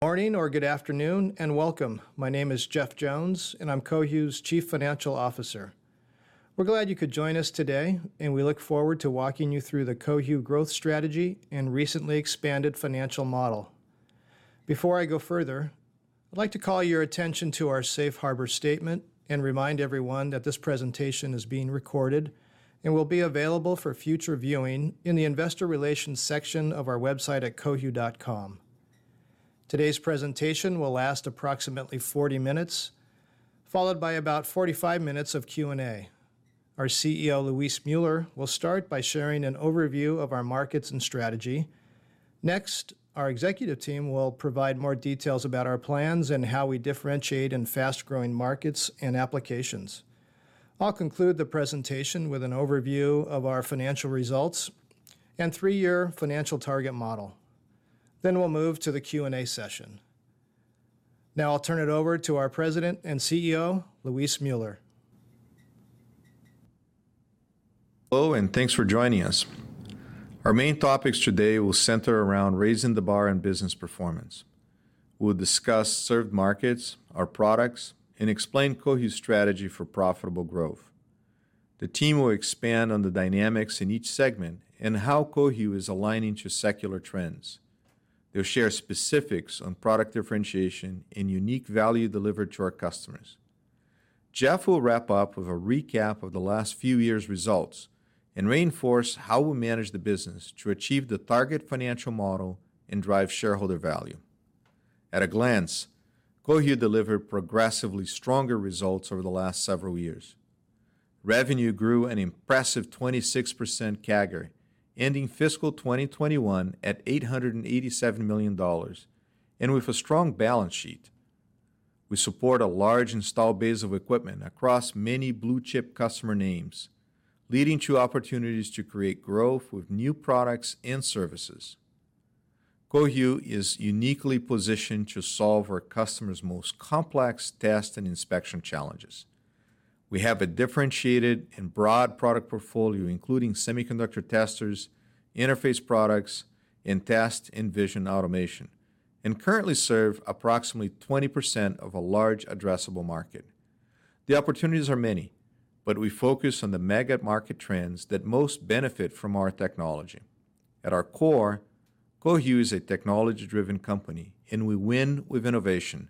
Morning or good afternoon, and welcome. My name is Jeff Jones, and I'm Cohu's Chief Financial Officer. We're glad you could join us today, and we look forward to walking you through the Cohu growth strategy and recently expanded financial model. Before I go further, I'd like to call your attention to our safe harbor statement and remind everyone that this presentation is being recorded and will be available for future viewing in the investor relations section of our website at cohu.com. Today's presentation will last approximately 40 minutes, followed by about 45 minutes of Q&A. Our CEO, Luis Müller, will start by sharing an overview of our markets and strategy. Next, our executive team will provide more details about our plans and how we differentiate in fast-growing markets and applications. I'll conclude the presentation with an overview of our financial results and three year financial target model. We'll move to the Q&A session. Now I'll turn it over to our President and CEO, Luis Müller. Hello, and thanks for joining us. Our main topics today will center around raising the bar in business performance. We'll discuss served markets, our products, and explain Cohu's strategy for profitable growth. The team will expand on the dynamics in each segment and how Cohu is aligning to secular trends. They'll share specifics on product differentiation and unique value delivered to our customers. Jeff will wrap up with a recap of the last few years' results and reinforce how we'll manage the business to achieve the target financial model and drive shareholder value. At a glance, Cohu delivered progressively stronger results over the last several years. Revenue grew an impressive 26% CAGR, ending fiscal 2021 at $887 million and with a strong balance sheet. We support a large installed base of equipment across many blue-chip customer names, leading to opportunities to create growth with new products and services. Cohu is uniquely positioned to solve our customers' most complex test and inspection challenges. We have a differentiated and broad product portfolio, including semiconductor testers, interface products, and test and vision automation, and currently serve approximately 20% of a large addressable market. The opportunities are many, but we focus on the mega market trends that most benefit from our technology. At our core, Cohu is a technology-driven company, and we win with innovation.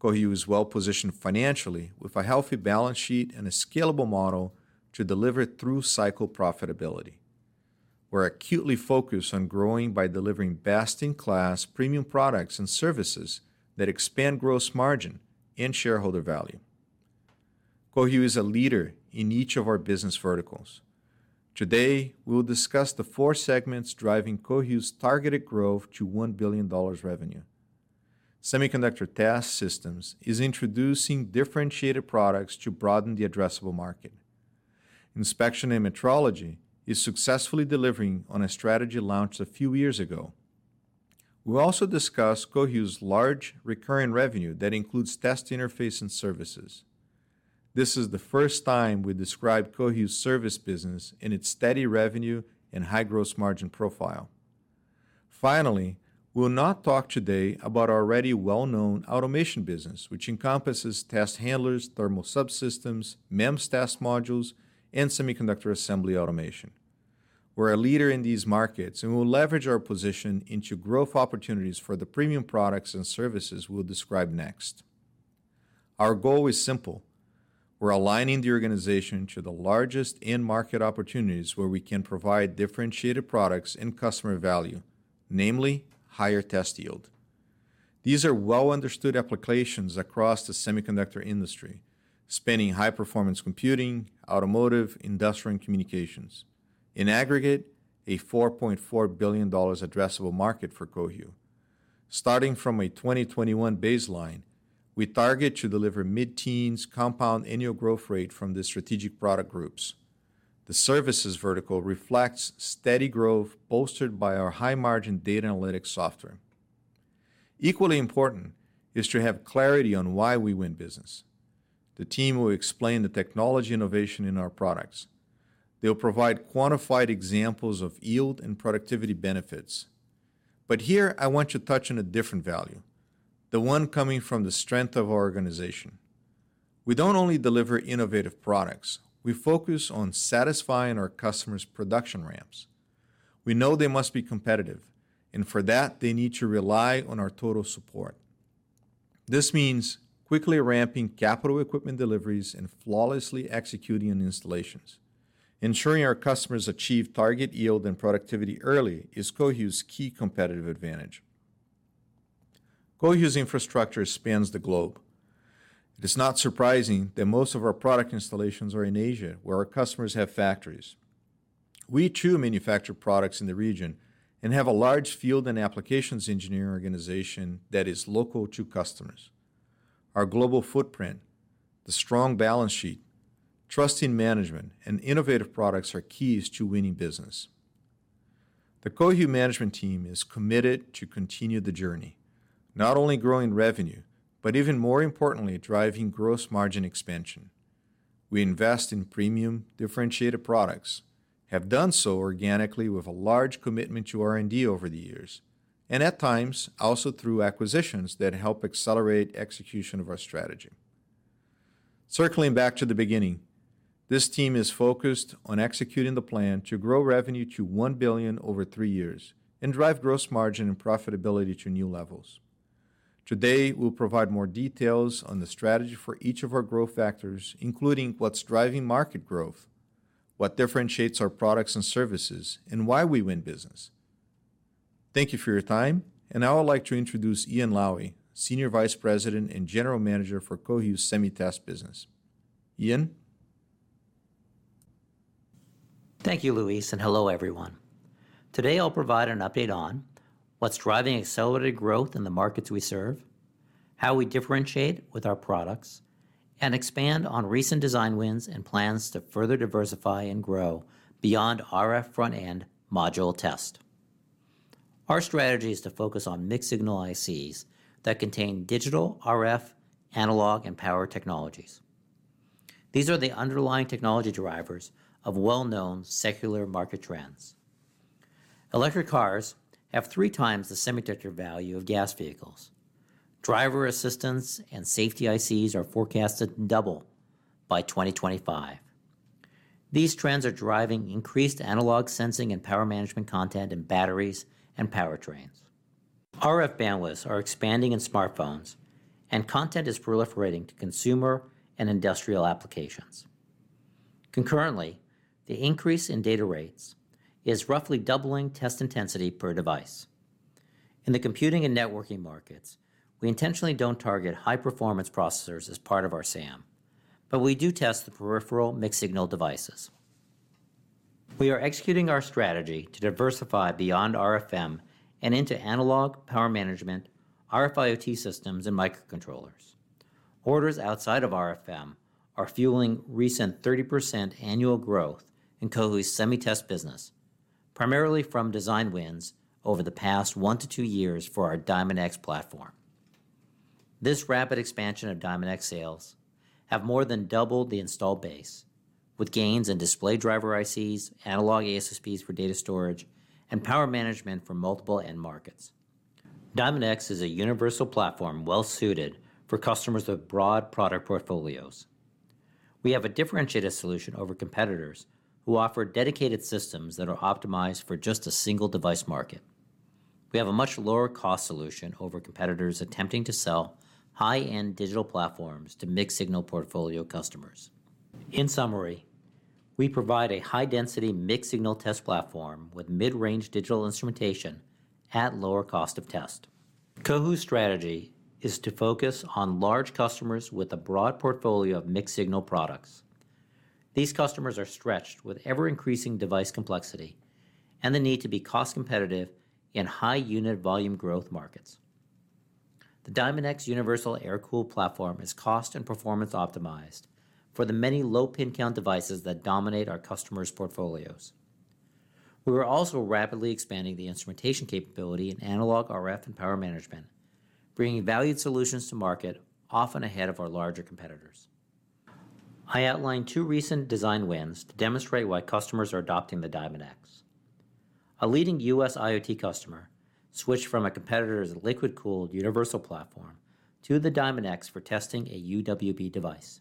Cohu is well-positioned financially with a healthy balance sheet and a scalable model to deliver through-cycle profitability. We're acutely focused on growing by delivering best-in-class premium products and services that expand gross margin and shareholder value. Cohu is a leader in each of our business verticals. Today, we'll discuss the four segments driving Cohu's targeted growth to $1 billion revenue. Semiconductor Test Systems is introducing differentiated products to broaden the addressable market. Inspection and Metrology is successfully delivering on a strategy launched a few years ago. We'll also discuss Cohu's large recurring revenue that includes test interface and services. This is the first time we describe Cohu's service business and its steady revenue and high gross margin profile. Finally, we'll not talk today about our already well-known automation business, which encompasses test handlers, thermal subsystems, MEMS test modules, and semiconductor assembly automation. We're a leader in these markets, and we'll leverage our position into growth opportunities for the premium products and services we'll describe next. Our goal is simple. We're aligning the organization to the largest end market opportunities where we can provide differentiated products and customer value, namely higher test yield. These are well-understood applications across the semiconductor industry, spanning high-performance computing, automotive, industrial, and communications. In aggregate, a $4.4 billion addressable market for Cohu. Starting from a 2021 baseline, we target to deliver mid-teens compound annual growth rate from the strategic product groups. The services vertical reflects steady growth bolstered by our high-margin data analytics software. Equally important is to have clarity on why we win business. The team will explain the technology innovation in our products. They'll provide quantified examples of yield and productivity benefits. Here I want to touch on a different value, the one coming from the strength of our organization. We don't only deliver innovative products. We focus on satisfying our customers' production ramps. We know they must be competitive, and for that, they need to rely on our total support. This means quickly ramping capital equipment deliveries and flawlessly executing on installations. Ensuring our customers achieve target yield and productivity early is Cohu's key competitive advantage. Cohu's infrastructure spans the globe. It is not surprising that most of our product installations are in Asia, where our customers have factories. We, too, manufacture products in the region and have a large field and applications engineering organization that is local to customers. Our global footprint, the strong balance sheet, trusting management, and innovative products are keys to winning business. The Cohu management team is committed to continue the journey, not only growing revenue, but even more importantly, driving gross margin expansion. We invest in premium differentiated products, have done so organically with a large commitment to R&D over the years, and at times also through acquisitions that help accelerate execution of our strategy. Circling back to the beginning, this team is focused on executing the plan to grow revenue to $1 billion over three years and drive gross margin and profitability to new levels. Today, we'll provide more details on the strategy for each of our growth factors, including what's driving market growth, what differentiates our products and services, and why we win business. Thank you for your time. Now I'd like to introduce Ian Lawee, Senior Vice President and General Manager for Cohu's Semiconductor Test business. Ian? Thank you, Luis, and hello, everyone. Today, I'll provide an update on what's driving accelerated growth in the markets we serve, how we differentiate with our products, and expand on recent design wins and plans to further diversify and grow beyond RF front-end module test. Our strategy is to focus on mixed signal ICs that contain digital, RF, analog, and power technologies. These are the underlying technology drivers of well-known secular market trends. Electric cars have three times the semiconductor value of gas vehicles. Driver assistance and safety ICs are forecasted to double by 2025. These trends are driving increased analog sensing and power management content in batteries and powertrains. RF bandwidths are expanding in smartphones, and content is proliferating to consumer and industrial applications. Concurrently, the increase in data rates is roughly doubling test intensity per device. In the computing and networking markets, we intentionally don't target high-performance processors as part of our SAM, but we do test the peripheral mixed signal devices. We are executing our strategy to diversify beyond RFM and into analog power management, RF IoT systems, and microcontrollers. Orders outside of RFM are fueling recent 30% annual growth in Cohu's Semi Test business, primarily from design wins over the past one to two years for our Diamondx platform. This rapid expansion of Diamondx sales have more than doubled the installed base with gains in display driver ICs, analog ASSPs for data storage, and power management for multiple end markets. Diamondx is a universal platform well-suited for customers with broad product portfolios. We have a differentiated solution over competitors who offer dedicated systems that are optimized for just a single device market. We have a much lower cost solution over competitors attempting to sell high-end digital platforms to mixed signal portfolio customers. In summary, we provide a high-density mixed signal test platform with mid-range digital instrumentation at lower cost of test. Cohu's strategy is to focus on large customers with a broad portfolio of mixed signal products. These customers are stretched with ever-increasing device complexity and the need to be cost-competitive in high unit volume growth markets. The Diamondx universal air-cooled platform is cost and performance optimized for the many low pin count devices that dominate our customers' portfolios. We are also rapidly expanding the instrumentation capability in analog, RF, and power management, bringing valued solutions to market often ahead of our larger competitors. I outlined two recent design wins to demonstrate why customers are adopting the Diamondx. A leading U.S. IoT customer switched from a competitor's liquid-cooled universal platform to the Diamondx for testing a UWB device.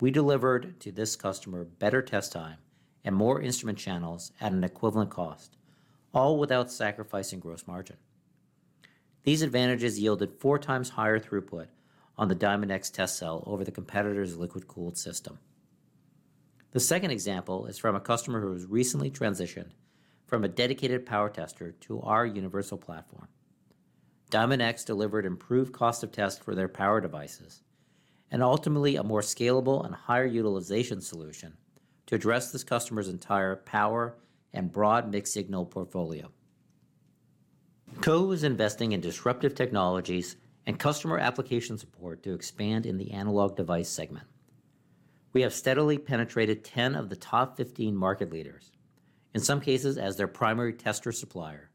We delivered to this customer better test time and more instrument channels at an equivalent cost, all without sacrificing gross margin. These advantages yielded 4x higher throughput on the Diamondx test cell over the competitor's liquid-cooled system. The second example is from a customer who has recently transitioned from a dedicated power tester to our universal platform. Diamondx delivered improved cost of test for their power devices, and ultimately a more scalable and higher utilization solution to address this customer's entire power and broad mixed signal portfolio. Cohu is investing in disruptive technologies and customer application support to expand in the analog device segment. We have steadily penetrated 10 of the top 15 market leaders, in some cases as their primary tester supplier,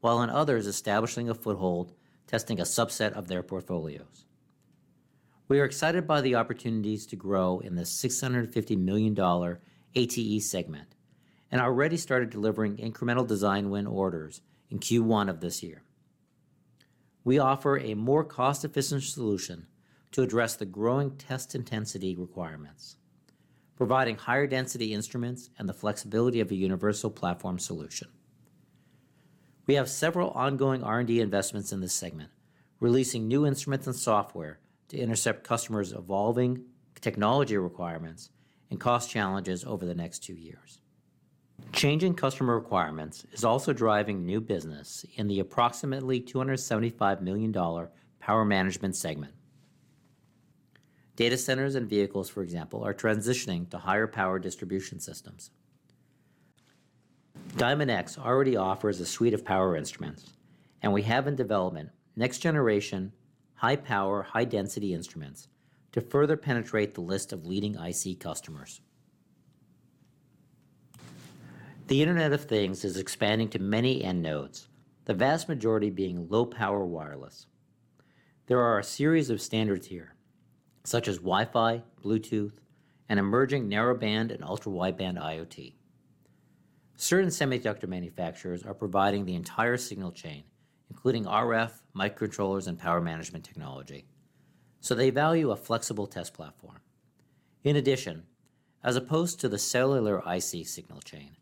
while in others establishing a foothold, testing a subset of their portfolios. We are excited by the opportunities to grow in the $650 million ATE segment and already started delivering incremental design win orders in Q1 of this year. We offer a more cost-efficient solution to address the growing test intensity requirements, providing higher density instruments and the flexibility of a universal platform solution. We have several ongoing R&D investments in this segment, releasing new instruments and software to intercept customers' evolving technology requirements and cost challenges over the next two years. Changing customer requirements is also driving new business in the approximately $275 million power management segment. Data centers and vehicles, for example, are transitioning to higher power distribution systems. Diamondx already offers a suite of power instruments, and we have in development next generation high-power, high-density instruments to further penetrate the list of leading IC customers. The Internet of Things is expanding to many end nodes, the vast majority being low-power wireless. There are a series of standards here, such as Wi-Fi, Bluetooth, and emerging narrowband and ultra-wideband IoT. Certain semiconductor manufacturers are providing the entire signal chain, including RF, microcontrollers, and power management technology, so they value a flexible test platform. In addition, as opposed to the cellular IC signal chain,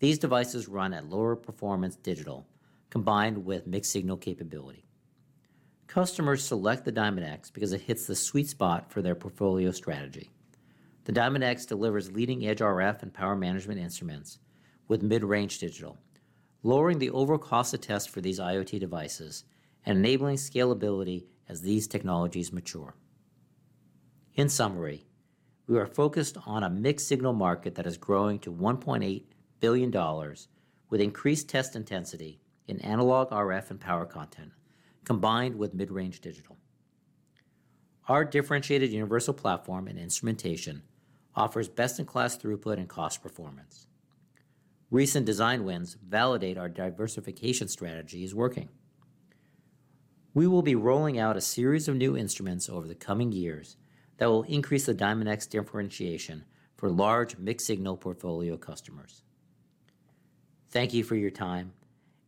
these devices run at lower performance digital combined with mixed signal capability. Customers select the Diamondx because it hits the sweet spot for their portfolio strategy. The Diamondx delivers leading-edge RF and power management instruments with mid-range digital, lowering the overall cost of test for these IoT devices and enabling scalability as these technologies mature. In summary, we are focused on a mixed signal market that is growing to $1.8 billion with increased test intensity in analog, RF, and power content combined with mid-range digital. Our differentiated universal platform and instrumentation offers best-in-class throughput and cost performance. Recent design wins validate our diversification strategy is working. We will be rolling out a series of new instruments over the coming years that will increase the Diamondx differentiation for large mixed signal portfolio customers. Thank you for your time.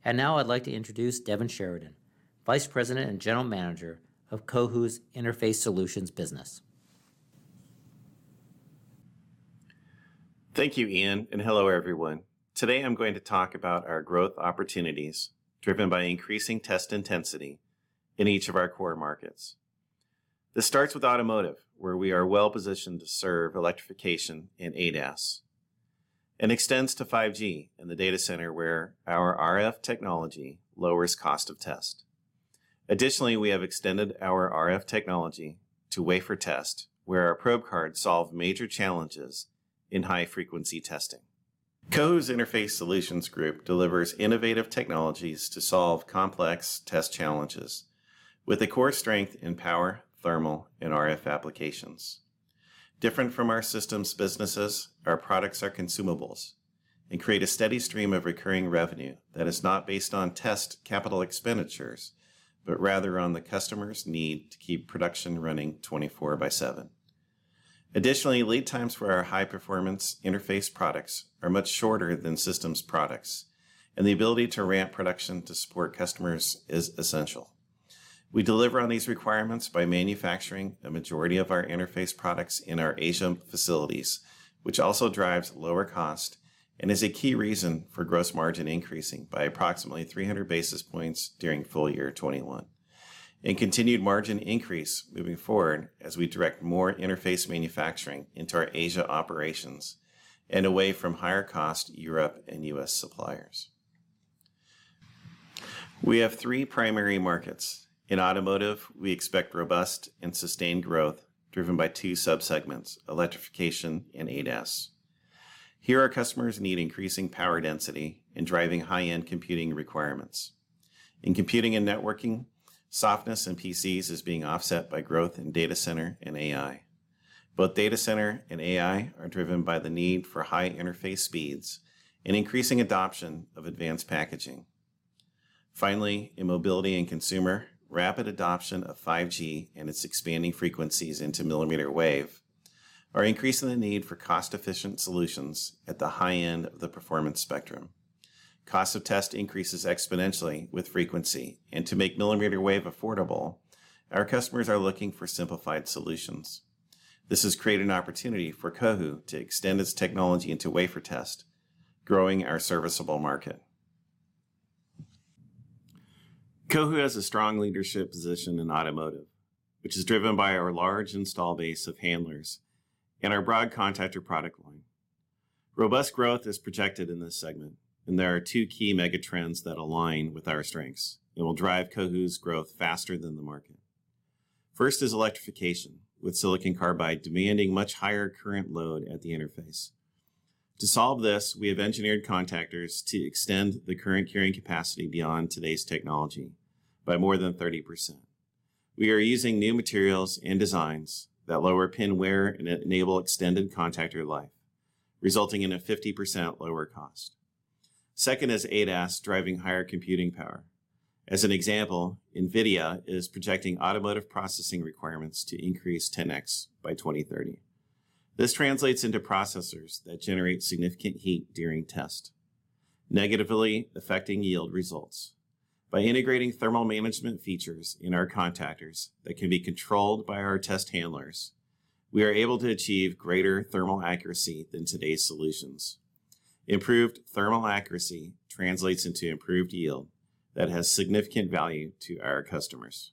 Now I'd like to introduce Devin Sheridan, Vice President and General Manager of Cohu's Interface Solutions business. Thank you, Ian, and hello, everyone. Today, I'm going to talk about our growth opportunities driven by increasing test intensity in each of our core markets. This starts with automotive, where we are well-positioned to serve electrification in ADAS, and extends to 5G in the data center, where our RF technology lowers cost of test. Additionally, we have extended our RF technology to wafer test, where our probe cards solve major challenges in high-frequency testing. Cohu's Interface Solutions group delivers innovative technologies to solve complex test challenges with a core strength in power, thermal, and RF applications. Different from our systems businesses, our products are consumables and create a steady stream of recurring revenue that is not based on test capital expenditures, but rather on the customer's need to keep production running 24 by 7. Additionally, lead times for our high-performance interface products are much shorter than systems products, and the ability to ramp production to support customers is essential. We deliver on these requirements by manufacturing a majority of our interface products in our Asia facilities, which also drives lower cost and is a key reason for gross margin increasing by approximately 300 basis points during full year 2021, and continued margin increase moving forward as we direct more interface manufacturing into our Asia operations and away from higher-cost Europe and U.S. suppliers. We have three primary markets. In automotive, we expect robust and sustained growth driven by two sub-segments, electrification and ADAS. Here, our customers need increasing power density in driving high-end computing requirements. In computing and networking, softness in PCs is being offset by growth in data center and AI. Both data center and AI are driven by the need for high interface speeds and increasing adoption of advanced packaging. Finally, in mobility and consumer, rapid adoption of 5G and its expanding frequencies into millimeter wave are increasing the need for cost-efficient solutions at the high end of the performance spectrum. Cost of test increases exponentially with frequency, and to make millimeter wave affordable, our customers are looking for simplified solutions. This has created an opportunity for Cohu to extend its technology into wafer test, growing our serviceable market. Cohu has a strong leadership position in automotive, which is driven by our large install base of handlers and our broad contactor product line. Robust growth is projected in this segment, and there are two key mega trends that align with our strengths and will drive Cohu's growth faster than the market. First is electrification, with silicon carbide demanding much higher current load at the interface. To solve this, we have engineered contactors to extend the current carrying capacity beyond today's technology by more than 30%. We are using new materials and designs that lower pin wear and enable extended contactor life, resulting in a 50% lower cost. Second is ADAS driving higher computing power. As an example, NVIDIA is projecting automotive processing requirements to increase 10x by 2030. This translates into processors that generate significant heat during test, negatively affecting yield results. By integrating thermal management features in our contactors that can be controlled by our test handlers, we are able to achieve greater thermal accuracy than today's solutions. Improved thermal accuracy translates into improved yield that has significant value to our customers.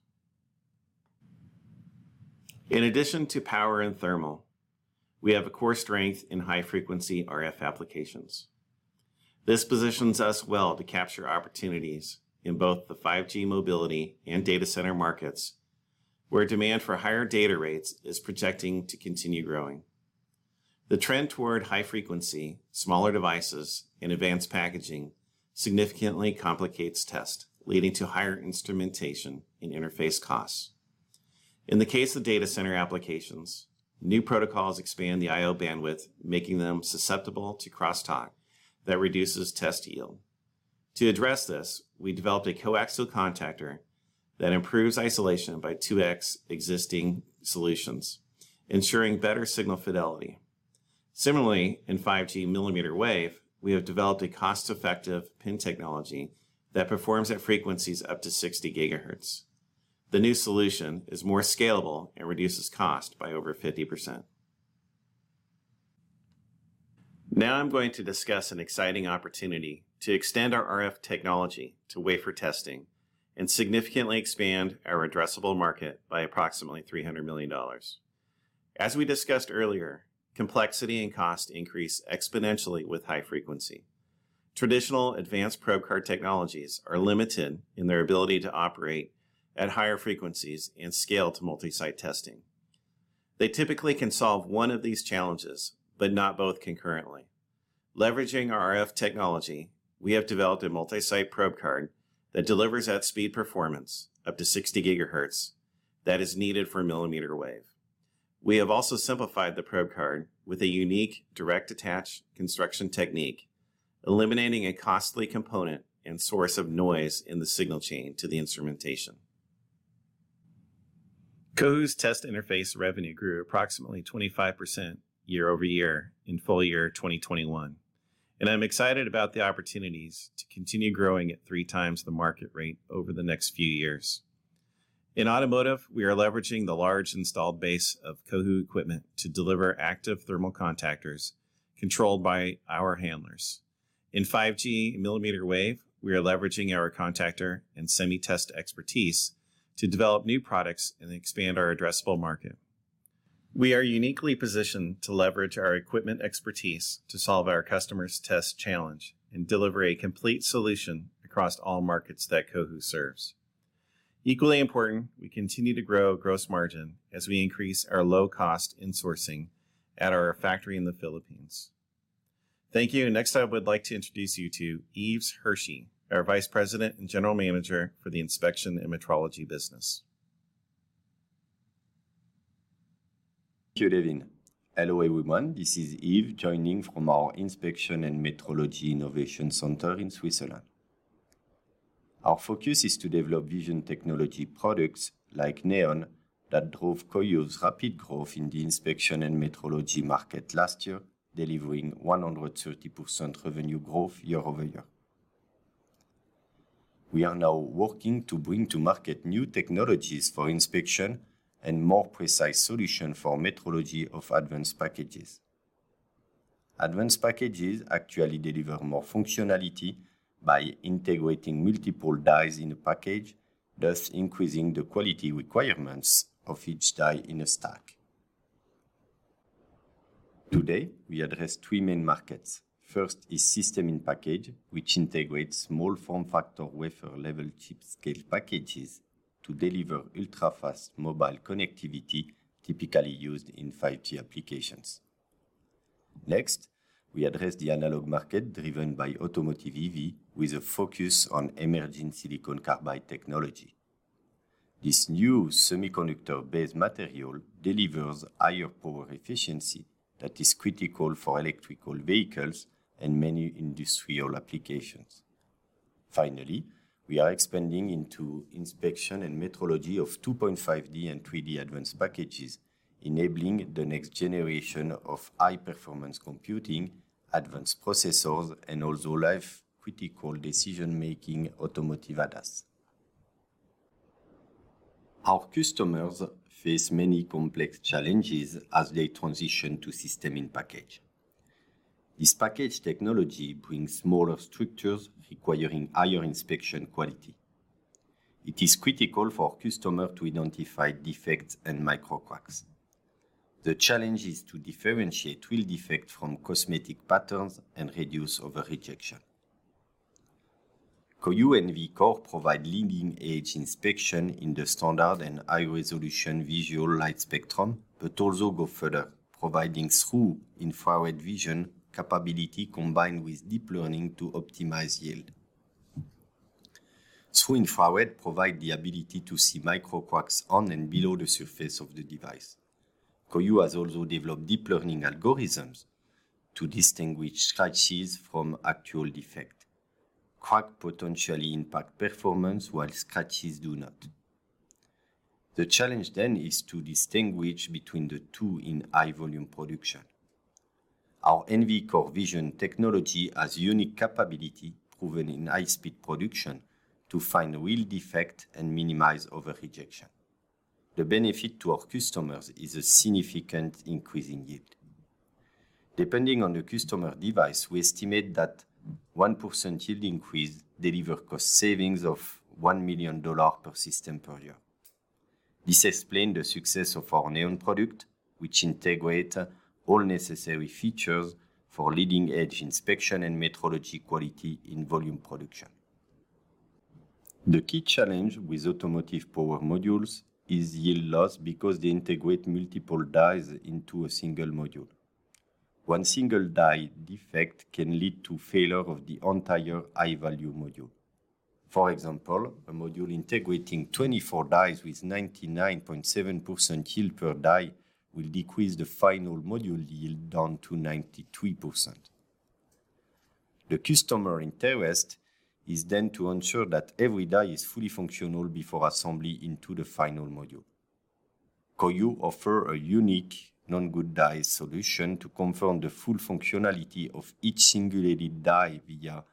In addition to power and thermal, we have a core strength in high-frequency RF applications. This positions us well to capture opportunities in both the 5G mobility and data center markets, where demand for higher data rates is projecting to continue growing. The trend toward high frequency, smaller devices, and advanced packaging significantly complicates test, leading to higher instrumentation and interface costs. In the case of data center applications, new protocols expand the IO bandwidth, making them susceptible to crosstalk that reduces test yield. To address this, we developed a coaxial contactor that improves isolation by 2x existing solutions, ensuring better signal fidelity. Similarly, in 5G millimeter wave, we have developed a cost-effective pin technology that performs at frequencies up to 60GHz. The new solution is more scalable and reduces cost by over 50%. Now I'm going to discuss an exciting opportunity to extend our RF technology to wafer testing and significantly expand our addressable market by approximately $300 million. As we discussed earlier, complexity and cost increase exponentially with high frequency. Traditional advanced probe card technologies are limited in their ability to operate at higher frequencies and scale to multi-site testing. They typically can solve one of these challenges, but not both concurrently. Leveraging our RF technology, we have developed a multi-site probe card that delivers at speed performance up to 60GHz that is needed for millimeter wave. We have also simplified the probe card with a unique direct attach construction technique, eliminating a costly component and source of noise in the signal chain to the instrumentation. Cohu's test interface revenue grew approximately 25% year-over-year in full year 2021, and I'm excited about the opportunities to continue growing at 3x the market rate over the next few years. In automotive, we are leveraging the large installed base of Cohu equipment to deliver active thermal contactors controlled by our handlers. In 5G millimeter wave, we are leveraging our contactor and semi test expertise to develop new products and expand our addressable market. We are uniquely positioned to leverage our equipment expertise to solve our customers' test challenge and deliver a complete solution across all markets that Cohu serves. Equally important, we continue to grow gross margin as we increase our low-cost insourcing at our factory in the Philippines. Thank you. Next, I would like to introduce you to Yves Hirschy, our Vice President and General Manager for the Inspection and Metrology business. Thank you, Devin. Hello, everyone. This is Yves joining from our Inspection and Metrology Innovation Center in Switzerland. Our focus is to develop vision technology products like Neon that drove Cohu's rapid growth in the inspection and metrology market last year, delivering 130% revenue growth year-over-year. We are now working to bring to market new technologies for inspection and more precise solution for metrology of advanced packages. Advanced packages actually deliver more functionality by integrating multiple dies in a package, thus increasing the quality requirements of each die in a stack. Today, we address three main markets. First is system in package, which integrates small form factor Wafer Level Chip Scale Packages to deliver ultra-fast mobile connectivity, typically used in 5G applications. Next, we address the analog market driven by automotive EV with a focus on emerging silicon carbide technology. This new semiconductor-based material delivers higher power efficiency that is critical for electric vehicles and many industrial applications. Finally, we are expanding into Inspection and Metrology of 2.5D and 3D advanced packages, enabling the next generation of high-performance computing, advanced processors, and also life-critical decision-making automotive ADAS. Our customers face many complex challenges as they transition to system in package. This package technology brings smaller structures requiring higher inspection quality. It is critical for customer to identify defects and micro cracks. The challenge is to differentiate real defect from cosmetic patterns and reduce over-rejection. Cohu NV-Core provide leading-edge inspection in the standard and high-resolution visible light spectrum, but also go further, providing true infrared vision capability combined with deep learning to optimize yield. True infrared provide the ability to see micro cracks on and below the surface of the device. Cohu has also developed deep learning algorithms to distinguish scratches from actual defect. Cracks potentially impact performance, while scratches do not. The challenge then is to distinguish between the two in high volume production. Our NV-Core vision technology has unique capability, proven in high-speed production, to find real defect and minimize over-rejection. The benefit to our customers is a significant increase in yield. Depending on the customer device, we estimate that 1% yield increase deliver cost savings of $1 million per system per year. This explain the success of our Neon product, which integrate all necessary features for leading-edge Inspection and Metrology quality in volume production. The key challenge with automotive power modules is yield loss because they integrate multiple dies into a single module. One single die defect can lead to failure of the entire high-value module. For example, a module integrating 24 dies with 99.7% yield per die will decrease the final module yield down to 93%. The customer interest is then to ensure that every die is fully functional before assembly into the final module. Cohu offers a unique known good die solution to confirm the full functionality of each single LED die via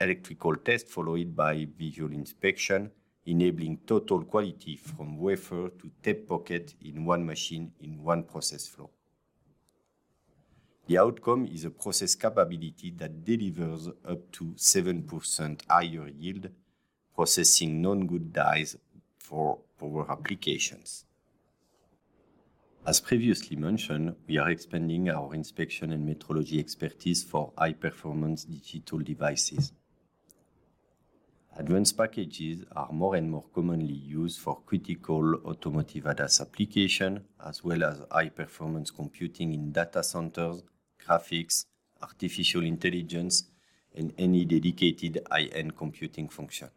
electrical test, followed by visual inspection, enabling total quality from wafer to tape pocket in one machine in one process flow. The outcome is a process capability that delivers up to 7% higher yield processing known good dies for applications. As previously mentioned, we are expanding our inspection and metrology expertise for high-performance digital devices. Advanced packages are more and more commonly used for critical automotive ADAS application, as well as high-performance computing in data centers, graphics, artificial intelligence, and any dedicated high-end computing function.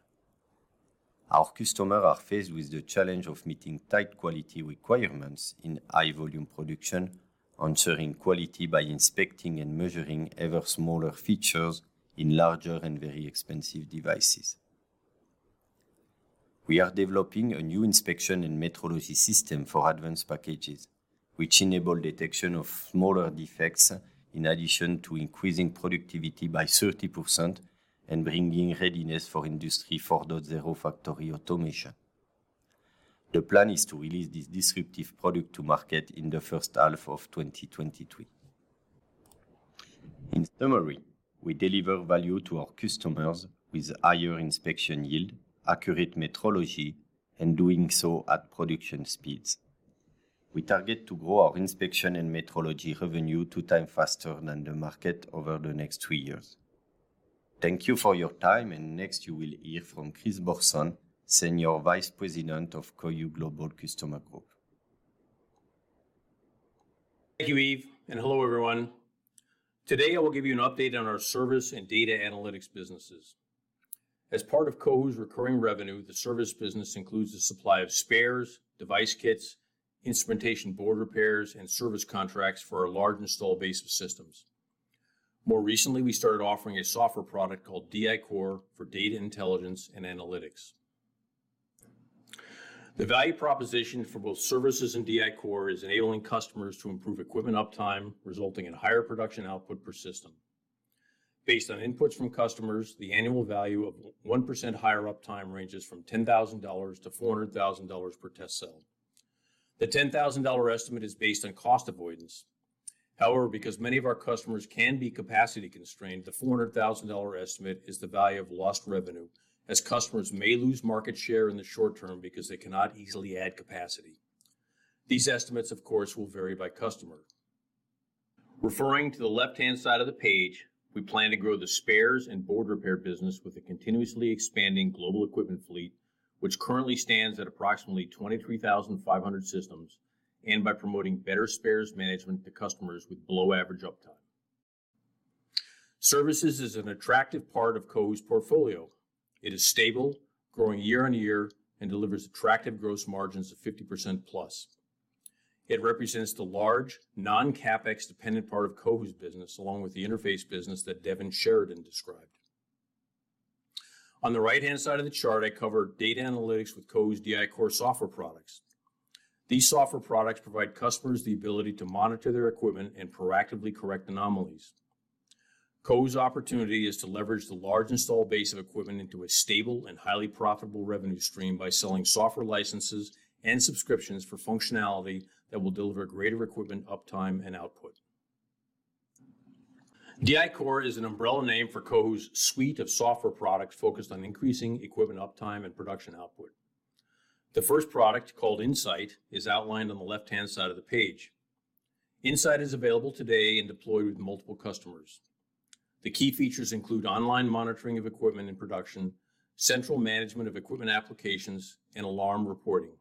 Our customers are faced with the challenge of meeting tight quality requirements in high-volume production, ensuring quality by inspecting and measuring ever smaller features in larger and very expensive devices. We are developing a new inspection and metrology system for advanced packages, which enable detection of smaller defects in addition to increasing productivity by 30% and bringing readiness for Industry 4.0 factory automation. The plan is to release this disruptive product to market in the first half of 2023. In summary, we deliver value to our customers with higher inspection yield, accurate metrology, and doing so at production speeds. We target to grow our inspection and metrology revenue two times faster than the market over the next three years. Thank you for your time, and next you will hear from Chris Bohrson, Senior Vice President of Cohu Global Customer Group. Thank you, Yves, and hello, everyone. Today, I will give you an update on our service and data analytics businesses. As part of Cohu's recurring revenue, the service business includes the supply of spares, device kits, instrumentation board repairs, and service contracts for our large installed base of systems. More recently, we started offering a software product called DI-Core for data intelligence and analytics. The value proposition for both services and DI-Core is enabling customers to improve equipment uptime, resulting in higher production output per system. Based on inputs from customers, the annual value of 1% higher uptime ranges from $10,000 to $400,000 per test cell. The $10,000 estimate is based on cost avoidance. However, because many of our customers can be capacity constrained, the $400,000 estimate is the value of lost revenue, as customers may lose market share in the short term because they cannot easily add capacity. These estimates, of course, will vary by customer. Referring to the left-hand side of the page, we plan to grow the spares and board repair business with a continuously expanding global equipment fleet, which currently stands at approximately 23,500 systems, and by promoting better spares management to customers with below-average uptime. Services is an attractive part of Cohu's portfolio. It is stable, growing year-over-year, and delivers attractive gross margins of 50%+. It represents the large, non-CapEx-dependent part of Cohu's business, along with the interface business that Devin Sheridan described. On the right-hand side of the chart, I cover data analytics with Cohu's DI-Core software products. These software products provide customers the ability to monitor their equipment and proactively correct anomalies. Cohu's opportunity is to leverage the large installed base of equipment into a stable and highly profitable revenue stream by selling software licenses and subscriptions for functionality that will deliver greater equipment uptime and output. DI-Core is an umbrella name for Cohu's suite of software products focused on increasing equipment uptime and production output. The first product, called InSight, is outlined on the left-hand side of the page. InSight is available today and deployed with multiple customers. The key features include online monitoring of equipment and production, central management of equipment applications, and alarm reporting.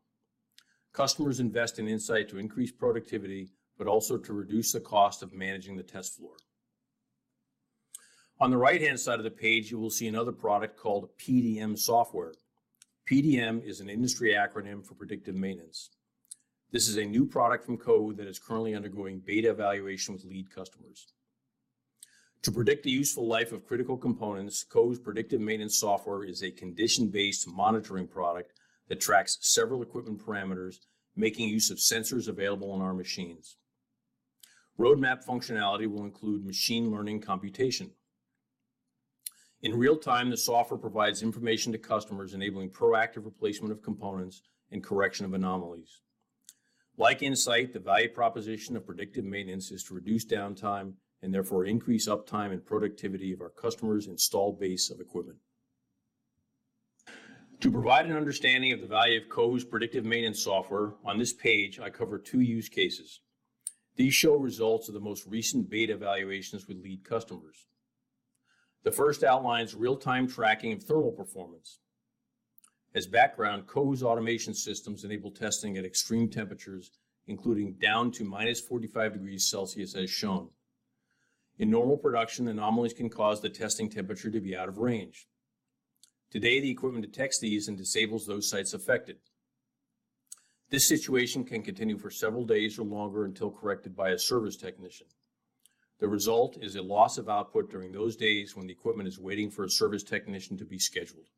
Customers invest in InSight to increase productivity, but also to reduce the cost of managing the test floor. On the right-hand side of the page, you will see another product called PDM software. PDM is an industry acronym for predictive maintenance. This is a new product from Cohu that is currently undergoing beta evaluation with lead customers. To predict the useful life of critical components, Cohu's Predictive Maintenance software is a condition-based monitoring product that tracks several equipment parameters, making use of sensors available on our machines. Roadmap functionality will include machine learning computation. In real time, the software provides information to customers enabling proactive replacement of components and correction of anomalies. Like InSight, the value proposition of predictive maintenance is to reduce downtime and therefore increase uptime and productivity of our customers' installed base of equipment. To provide an understanding of the value of Cohu's Predictive Maintenance software, on this page, I cover two use cases. These show results of the most recent beta evaluations with lead customers. The first outlines real-time tracking of thermal performance. As background, Cohu's automation systems enable testing at extreme temperatures, including down to -45 degrees Celsius as shown. In normal production, anomalies can cause the testing temperature to be out of range. Today, the equipment detects these and disables those sites affected. This situation can continue for several days or longer until corrected by a service technician. The result is a loss of output during those days when the equipment is waiting for a service technician to be scheduled.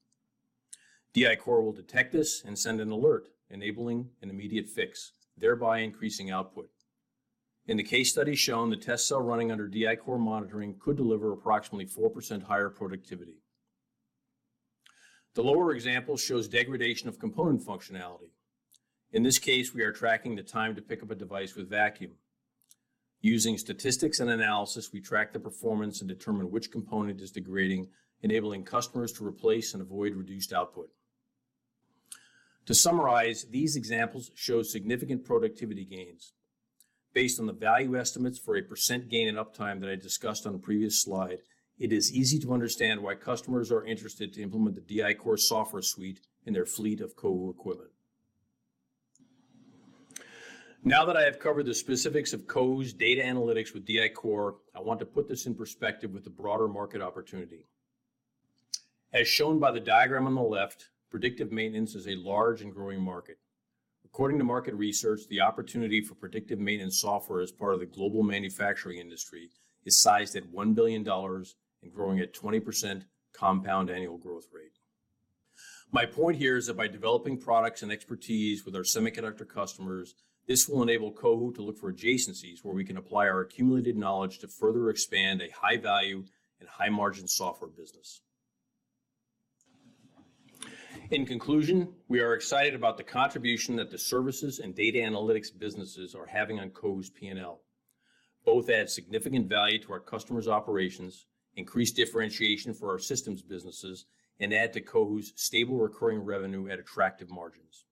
DI-Core will detect this and send an alert, enabling an immediate fix, thereby increasing output. In the case study shown, the test cell running under DI-Core monitoring could deliver approximately 4% higher productivity. The lower example shows degradation of component functionality. In this case, we are tracking the time to pick up a device with vacuum. Using statistics and analysis, we track the performance and determine which component is degrading, enabling customers to replace and avoid reduced output. To summarize, these examples show significant productivity gains. Based on the value estimates for a 1% gain in uptime that I discussed on a previous slide, it is easy to understand why customers are interested to implement the DI-Core software suite in their fleet of Cohu equipment. Now that I have covered the specifics of Cohu's data analytics with DI-Core, I want to put this in perspective with the broader market opportunity. As shown by the diagram on the left, predictive maintenance is a large and growing market. According to market research, the opportunity for predictive maintenance software as part of the global manufacturing industry is sized at $1 billion and growing at 20% compound annual growth rate. My point here is that by developing products and expertise with our semiconductor customers, this will enable Cohu to look for adjacencies where we can apply our accumulated knowledge to further expand a high-value and high-margin software business. In conclusion, we are excited about the contribution that the services and data analytics businesses are having on Cohu's P&L. Both add significant value to our customers' operations, increase differentiation for our systems businesses, and add to Cohu's stable recurring revenue at attractive margins.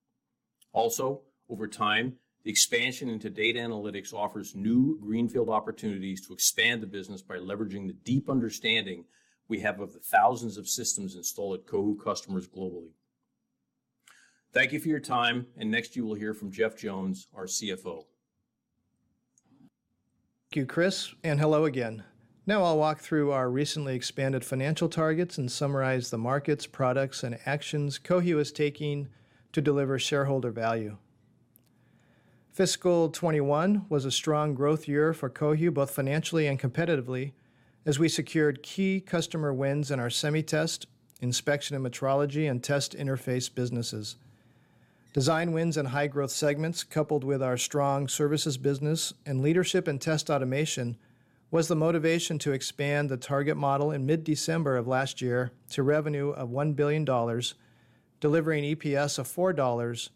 Also, over time, the expansion into data analytics offers new greenfield opportunities to expand the business by leveraging the deep understanding we have of the thousands of systems installed at Cohu customers globally. Thank you for your time, and next you will hear from Jeff Jones, our CFO. Thank you, Chris, and hello again. Now I'll walk through our recently expanded financial targets and summarize the markets, products, and actions Cohu is taking to deliver shareholder value. Fiscal 2021 was a strong growth year for Cohu, both financially and competitively, as we secured key customer wins in our Semiconductor Test, Inspection and Metrology, and Interface Solutions businesses. Design wins in high-growth segments, coupled with our strong services business and leadership in test automation, was the motivation to expand the target model in mid-December of last year to revenue of $1 billion, delivering EPS of $4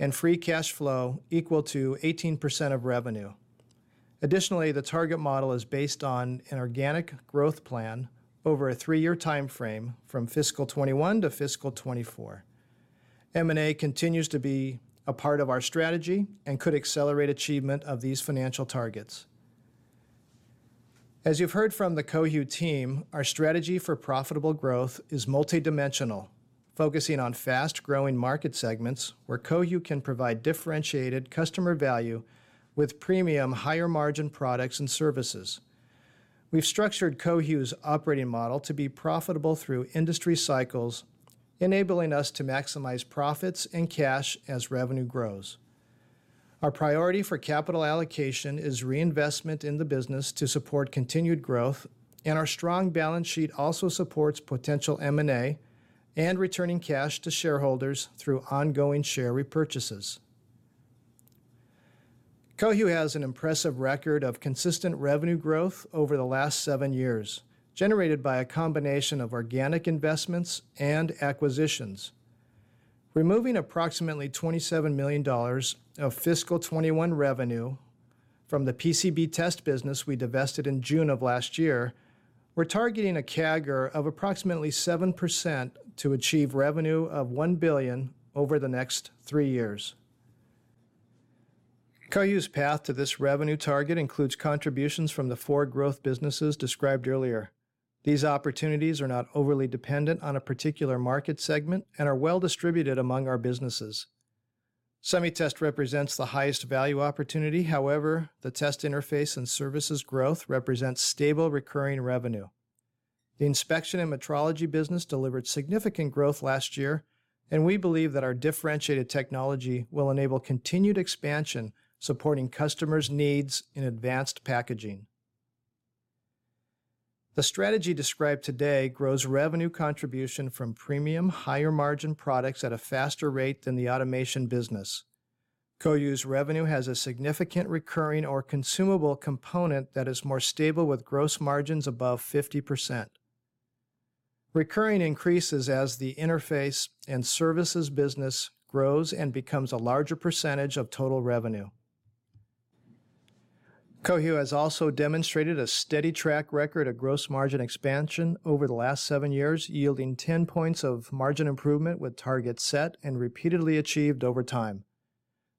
and free cash flow equal to 18% of revenue. Additionally, the target model is based on an organic growth plan over a three year time frame from fiscal 2021 to fiscal 2024. M&A continues to be a part of our strategy and could accelerate achievement of these financial targets. As you've heard from the Cohu team, our strategy for profitable growth is multidimensional, focusing on fast-growing market segments where Cohu can provide differentiated customer value with premium higher-margin products and services. We've structured Cohu's operating model to be profitable through industry cycles, enabling us to maximize profits and cash as revenue grows. Our priority for capital allocation is reinvestment in the business to support continued growth, and our strong balance sheet also supports potential M&A and returning cash to shareholders through ongoing share repurchases. Cohu has an impressive record of consistent revenue growth over the last seven years, generated by a combination of organic investments and acquisitions. Removing approximately $27 million of fiscal 2021 revenue from the PCB test business we divested in June of last year, we're targeting a CAGR of approximately 7% to achieve revenue of $1 billion over the next three years. Cohu's path to this revenue target includes contributions from the four growth businesses described earlier. These opportunities are not overly dependent on a particular market segment and are well-distributed among our businesses. Semi Test represents the highest value opportunity. However, the Test Interface and Services growth represents stable recurring revenue. The Inspection and Metrology business delivered significant growth last year, and we believe that our differentiated technology will enable continued expansion, supporting customers' needs in advanced packaging. The strategy described today grows revenue contribution from premium higher-margin products at a faster rate than the automation business. Cohu's revenue has a significant recurring or consumable component that is more stable with gross margins above 50%. Recurring increases as the Interface and Services business grows and becomes a larger percentage of total revenue. Cohu has also demonstrated a steady track record of gross margin expansion over the last seven years, yielding 10 points of margin improvement with targets set and repeatedly achieved over time.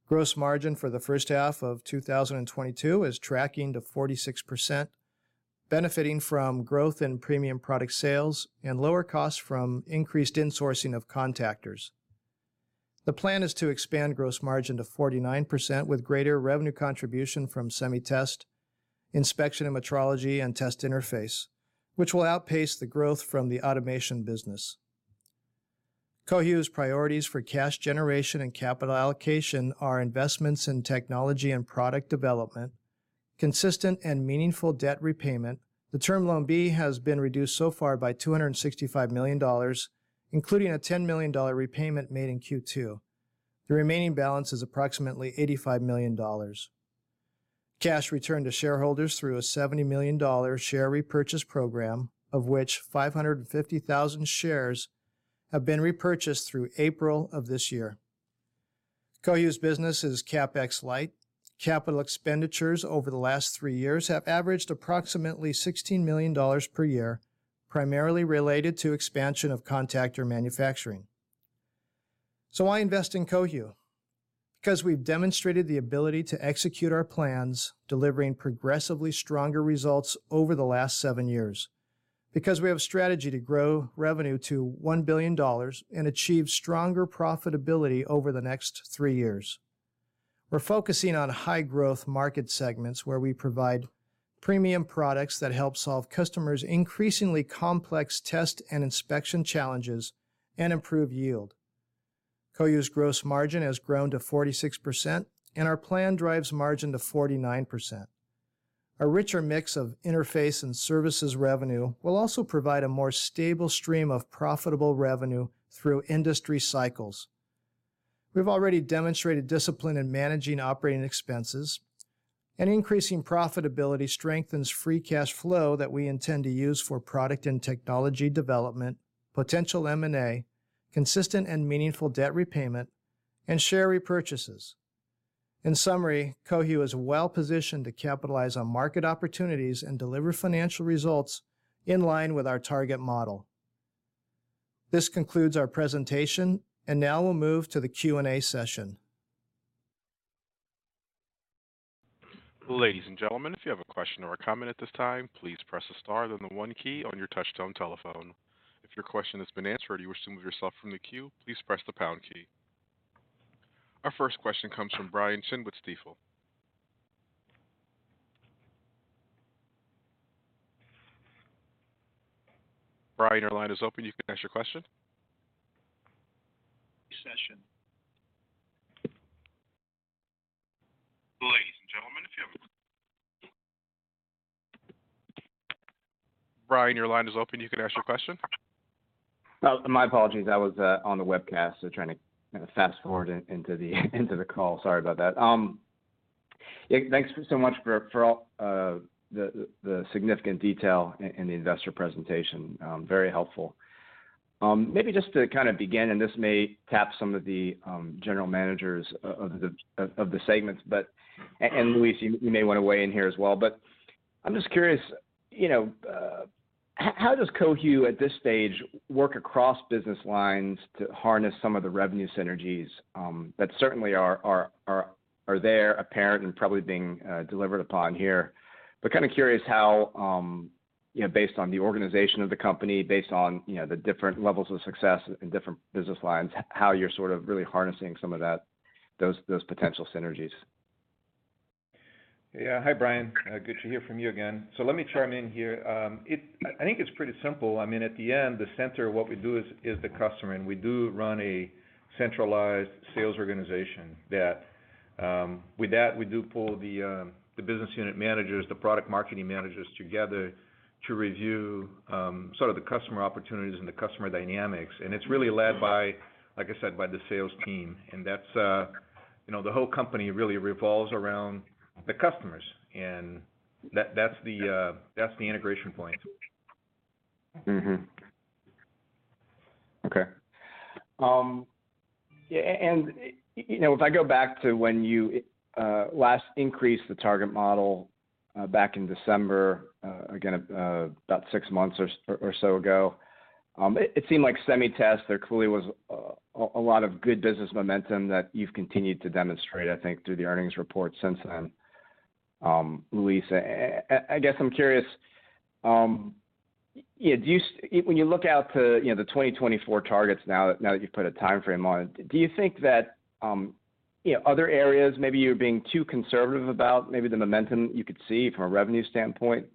Gross margin for the first half of 2022 is tracking to 46%, benefiting from growth in premium product sales and lower costs from increased insourcing of contactors. The plan is to expand gross margin to 49% with greater revenue contribution from Semiconductor Test, Inspection and Metrology, and Interface Solutions, which will outpace the growth from the automation business. Cohu's priorities for cash generation and capital allocation are investments in technology and product development, consistent and meaningful debt repayment. The Term Loan B has been reduced so far by $265 million, including a $10 million repayment made in Q2. The remaining balance is approximately $85 million. Cash returned to shareholders through a $70 million share repurchase program, of which 550,000 shares have been repurchased through April of this year. Cohu's business is CapEx light. Capital expenditures over the last three years have averaged approximately $16 million per year, primarily related to expansion of contactor manufacturing. Why invest in Cohu? Because we've demonstrated the ability to execute our plans, delivering progressively stronger results over the last seven years. Because we have a strategy to grow revenue to $1 billion and achieve stronger profitability over the next three years. We're focusing on high-growth market segments where we provide premium products that help solve customers' increasingly complex test and inspection challenges and improve yield. Cohu's gross margin has grown to 46%, and our plan drives margin to 49%. A richer mix of interface and services revenue will also provide a more stable stream of profitable revenue through industry cycles. We've already demonstrated discipline in managing operating expenses, and increasing profitability strengthens free cash flow that we intend to use for product and technology development, potential M&A, consistent and meaningful debt repayment, and share repurchases. In summary, Cohu is well-positioned to capitalize on market opportunities and deliver financial results in line with our target model. This concludes our presentation, and now we'll move to the Q&A session. Ladies and gentlemen, if you have a question or a comment at this time, please press the star then the one key on your touchtone telephone. If your question has been answered and you wish to remove yourself from the queue, please press the pound key. Our first question comes from Brian Chin with Stifel. Brian, your line is open. You can ask your question. Session. Ladies and gentlemen, Brian, your line is open. You can ask your question. Oh, my apologies. I was on the webcast, so trying to kind of fast-forward into the call. Sorry about that. Yeah, thanks so much for all the significant detail in the investor presentation. Very helpful. Maybe just to kind of begin, this may tap some of the general managers of the segments. Luis, you may want to weigh in here as well. I'm just curious, you know, how does Cohu at this stage work across business lines to harness some of the revenue synergies that certainly are there, apparent, and probably being delivered upon here. Kind of curious how, you know, based on the organization of the company, based on, you know, the different levels of success in different business lines, how you're sort of really harnessing some of that, those potential synergies? Yeah. Hi, Brian. Good to hear from you again. Let me chime in here. I think it's pretty simple. I mean, at the end, the center of what we do is the customer, and we do run a centralized sales organization that, with that, we do pull the business unit managers, the product marketing managers together to review sort of the customer opportunities and the customer dynamics. It's really led by, like I said, by the sales team. That's, you know, the whole company really revolves around the customers, and that's the integration point. You know, if I go back to when you last increased the target model back in December, again, about six months or so ago, it seemed like semi test. There clearly was a lot of good business momentum that you've continued to demonstrate, I think, through the earnings report since then. Luis, I guess I'm curious, yeah. When you look out to the 2024 targets now that you've put a timeframe on it, do you think that, you know, other areas maybe you're being too conservative about maybe the momentum you could see from a revenue standpoint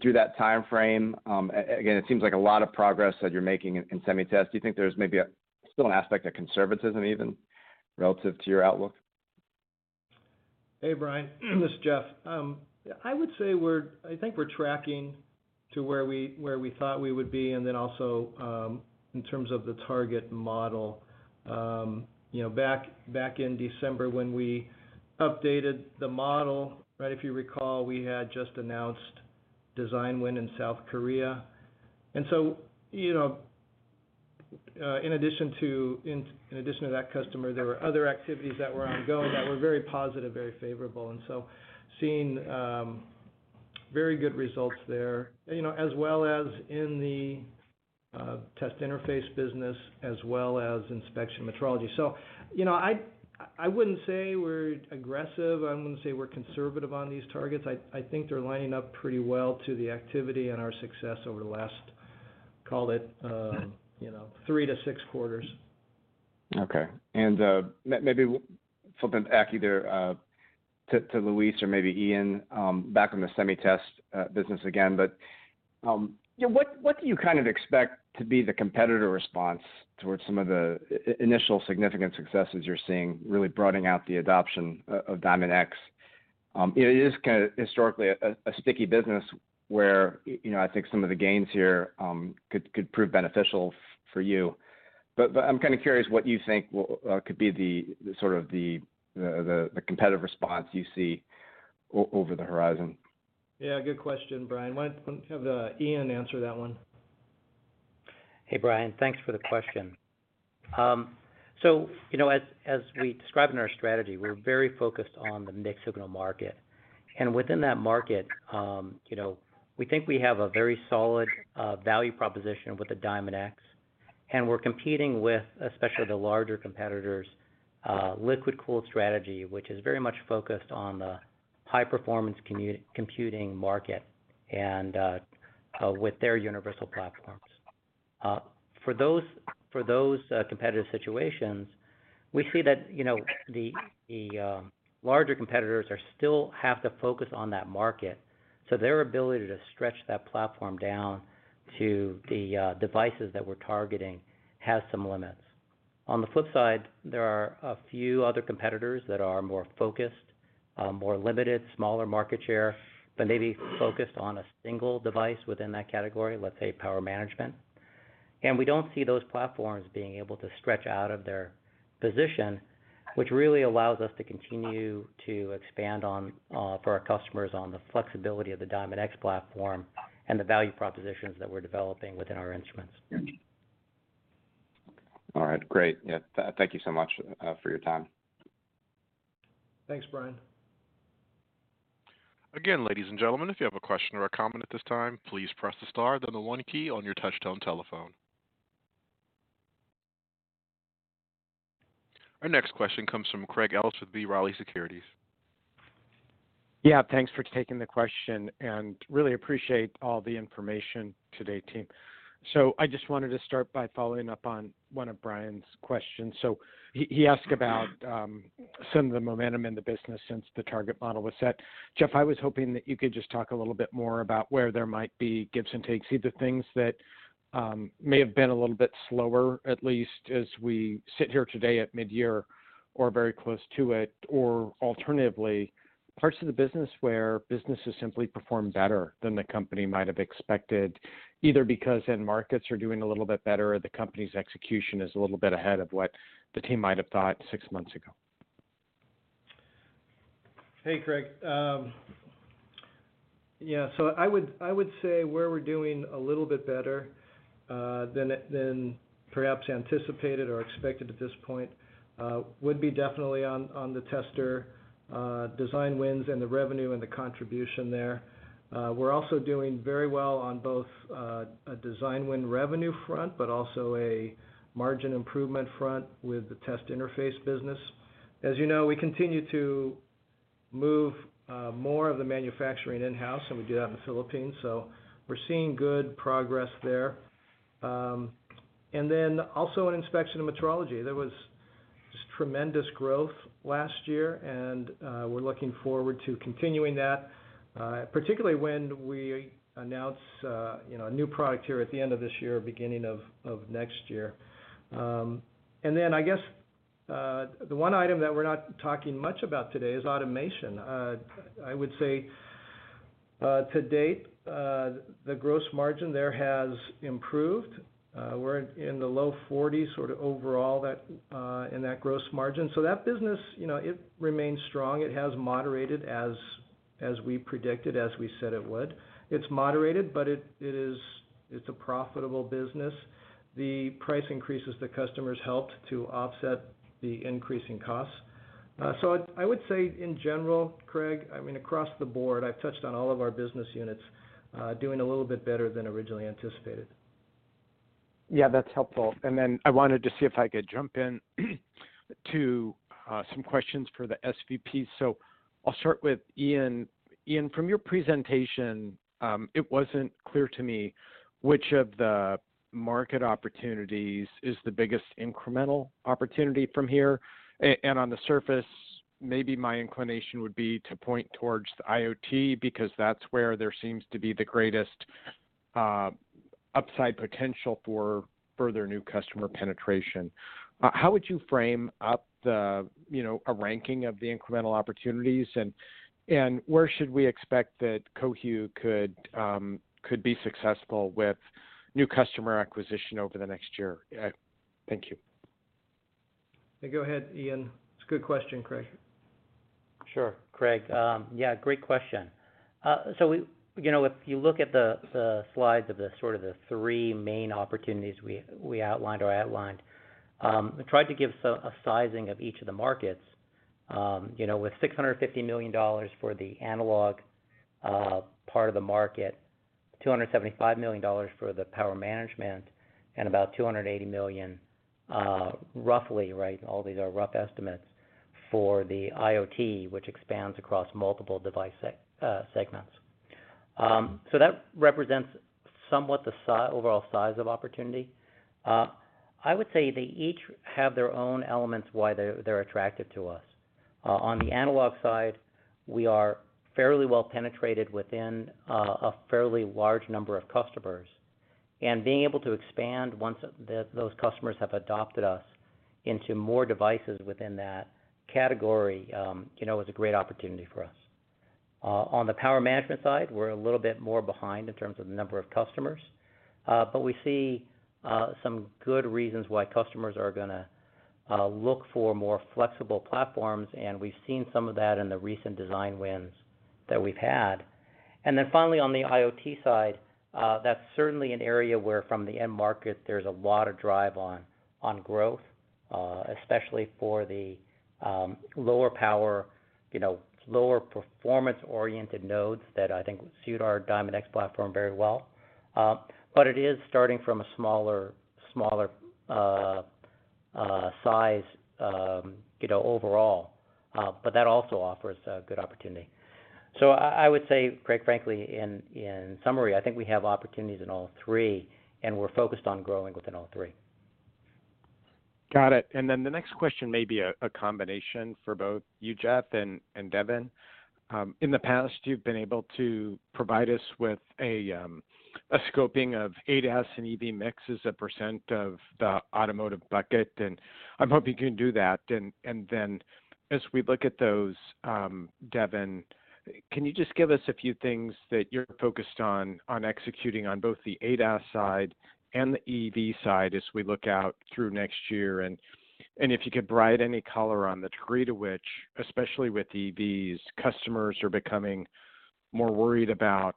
through that timeframe? Again, it seems like a lot of progress that you're making in semi test. Do you think there's maybe still an aspect of conservatism even relative to your outlook? Hey, Brian. This is Jeff. I would say I think we're tracking to where we thought we would be, and then also, in terms of the target model, you know, back in December when we updated the model, right, if you recall, we had just announced design win in South Korea. You know, in addition to that customer, there were other activities that were ongoing that were very positive, very favorable. Seeing, very good results there, you know, as well as in the test interface business as well as inspection metrology. You know, I wouldn't say we're aggressive. I wouldn't say we're conservative on these targets. I think they're lining up pretty well to the activity and our success over the last, call it, you know, three to six quarters. Okay. Maybe flipping back either to Luis or maybe Ian back on the semiconductor test business again. You know, what do you kind of expect to be the competitor response towards some of the initial significant successes you're seeing really broadening out the adoption of Diamondx? It is kind of historically a sticky business where, you know, I think some of the gains here could prove beneficial for you. I'm kind of curious what you think what could be the sort of competitive response you see over the horizon. Yeah, good question, Brian. Why don't have Ian answer that one? Hey, Brian. Thanks for the question. You know, as we described in our strategy, we're very focused on the mixed signal market. Within that market, you know, we think we have a very solid value proposition with the Diamondx, and we're competing with, especially the larger competitors' liquid-cooled strategy, which is very much focused on the high-performance computing market and with their universal platforms. For those competitive situations, we see that, you know, the larger competitors are still have to focus on that market. Their ability to stretch that platform down to the devices that we're targeting has some limits. On the flip side, there are a few other competitors that are more focused, more limited, smaller market share, but maybe focused on a single device within that category, let's say power management. We don't see those platforms being able to stretch out of their position, which really allows us to continue to expand on, for our customers on the flexibility of the Diamondx platform and the value propositions that we're developing within our instruments. All right. Great. Yeah. Thank you so much for your time. Thanks, Brian. Again, ladies and gentlemen, if you have a question or a comment at this time, please press the star, then the one key on your touch tone telephone. Our next question comes from Craig Ellis with B. Riley Securities. Yeah, thanks for taking the question, and really appreciate all the information today, team. I just wanted to start by following up on one of Brian's questions. He asked about some of the momentum in the business since the target model was set. Jeff, I was hoping that you could just talk a little bit more about where there might be gives and takes, either things that may have been a little bit slower, at least as we sit here today at mid-year or very close to it, or alternatively, parts of the business where businesses simply perform better than the company might have expected, either because end markets are doing a little bit better or the company's execution is a little bit ahead of what the team might have thought six months ago. Hey, Craig. I would say where we're doing a little bit better than perhaps anticipated or expected at this point would be definitely on the tester design wins and the revenue and the contribution there. We're also doing very well on both a design win revenue front, but also a margin improvement front with the test interface business. As you know, we continue to move more of the manufacturing in-house, and we do that in the Philippines, so we're seeing good progress there. Also in Inspection and Metrology. There was just tremendous growth last year, and we're looking forward to continuing that, particularly when we announce you know a new product here at the end of this year, beginning of next year. I guess the one item that we're not talking much about today is automation. I would say to date the gross margin there has improved. We're in the low 40% sort of overall that in that gross margin. So that business, you know, it remains strong. It has moderated as we predicted, as we said it would. It's moderated, but it is a profitable business. The price increases to customers helped to offset the increasing costs. I would say in general, Craig, I mean, across the board, I've touched on all of our business units doing a little bit better than originally anticipated. Yeah, that's helpful. Then I wanted to see if I could jump in to some questions for the SVPs. I'll start with Ian. Ian, from your presentation, it wasn't clear to me which of the market opportunities is the biggest incremental opportunity from here. And on the surface, maybe my inclination would be to point towards the IoT because that's where there seems to be the greatest upside potential for further new customer penetration. How would you frame up the, you know, a ranking of the incremental opportunities and where should we expect that Cohu could be successful with new customer acquisition over the next year? Thank you. Go ahead, Ian. It's a good question, Craig. Sure. Craig, yeah, great question. You know, if you look at the slides of the sort of the three main opportunities we outlined, we tried to give a sizing of each of the markets. You know, with $650 million for the analog part of the market, $275 million for the power management, and about $280 million, roughly, right, all these are rough estimates, for the IoT, which expands across multiple device segments. That represents somewhat the overall size of opportunity. I would say they each have their own elements why they're attractive to us. On the analog side, we are fairly well penetrated within a fairly large number of customers. Being able to expand once those customers have adopted us into more devices within that category, you know, is a great opportunity for us. On the power management side, we're a little bit more behind in terms of the number of customers. We see some good reasons why customers are gonna look for more flexible platforms, and we've seen some of that in the recent design wins that we've had. Finally, on the IoT side, that's certainly an area where from the end market, there's a lot of drive on growth, especially for the lower power, you know, lower performance-oriented nodes that I think suit our Diamondx platform very well. It is starting from a smaller size, you know, overall. That also offers a good opportunity. I would say, quite frankly, in summary, I think we have opportunities in all three, and we're focused on growing within all three. Got it. Then the next question may be a combination for both you, Jeff, and Devin. In the past, you've been able to provide us with a scoping of ADAS and EV mixes, a percent of the automotive bucket, and I'm hoping you can do that. As we look at those, Devin, can you just give us a few things that you're focused on executing on both the ADAS side and the EV side as we look out through next year? If you could provide any color on the degree to which, especially with EVs, customers are becoming more worried about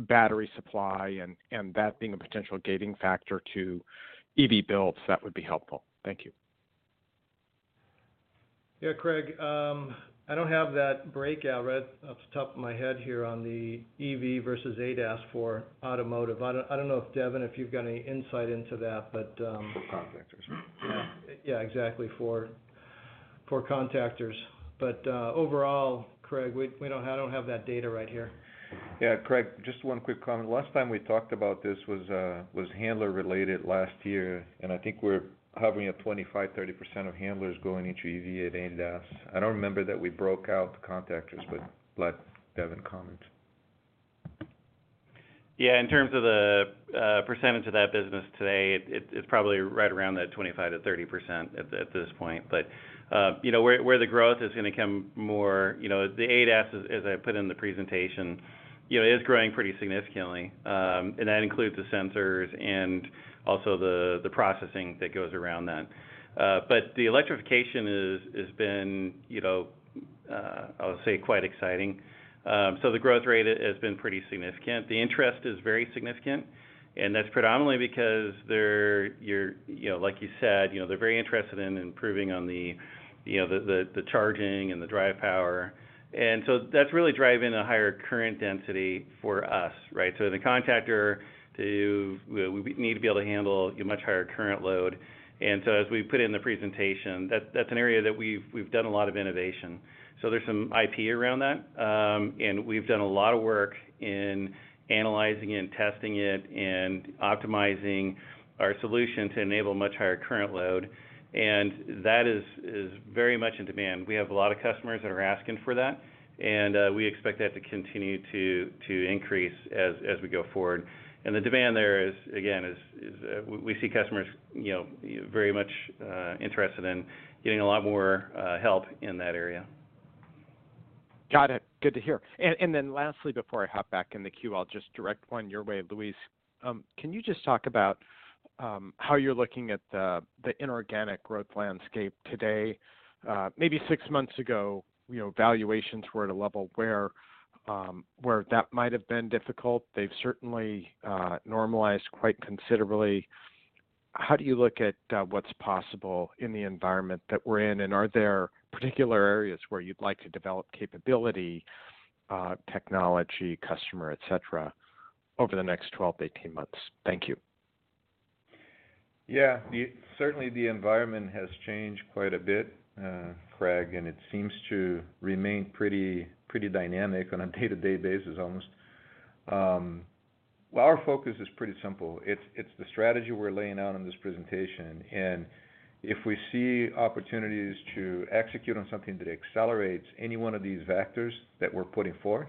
battery supply and that being a potential gating factor to EV builds, that would be helpful. Thank you. Yeah, Craig, I don't have that breakout right off the top of my head here on the EV versus ADAS for automotive. I don't know if, Devin, if you've got any insight into that, but For contactors. Yeah, exactly, for contactors. Overall, Craig, we don't, I don't have that data right here. Yeah, Craig, just one quick comment. Last time we talked about this was handler related last year, and I think we're hovering at 25%-30% of handlers going into EV at ADAS. I don't remember that we broke out the contactors, but let Devin comment. Yeah. In terms of the percentage of that business today, it's probably right around that 25% to 30% at this point. You know, where the growth is gonna come more, you know, the ADAS, as I put in the presentation, you know, is growing pretty significantly. And that includes the sensors and also the processing that goes around that. The electrification has been, you know, I would say quite exciting. So the growth rate has been pretty significant. The interest is very significant, and that's predominantly because they're, you know, like you said, you know, they're very interested in improving on the, you know, the charging and the drive power. And so that's really driving a higher current density for us, right? We need to be able to handle a much higher current load. As we put in the presentation, that's an area that we've done a lot of innovation. There's some IP around that. And we've done a lot of work in analyzing it and testing it and optimizing our solution to enable much higher current load. And that is very much in demand. We have a lot of customers that are asking for that, and we expect that to continue to increase as we go forward. The demand there is, again, we see customers, you know, very much interested in getting a lot more help in that area. Got it. Good to hear. Lastly, before I hop back in the queue, I'll just direct one your way, Luis. Can you just talk about how you're looking at the inorganic growth landscape today? Maybe six months ago, you know, valuations were at a level where that might have been difficult. They've certainly normalized quite considerably. How do you look at what's possible in the environment that we're in? Are there particular areas where you'd like to develop capability, technology, customer, et cetera, over the next 12, 18 months? Thank you. Yeah. Certainly the environment has changed quite a bit, Craig, and it seems to remain pretty dynamic on a day-to-day basis almost. Our focus is pretty simple. It's the strategy we're laying out in this presentation. If we see opportunities to execute on something that accelerates any one of these vectors that we're putting forth,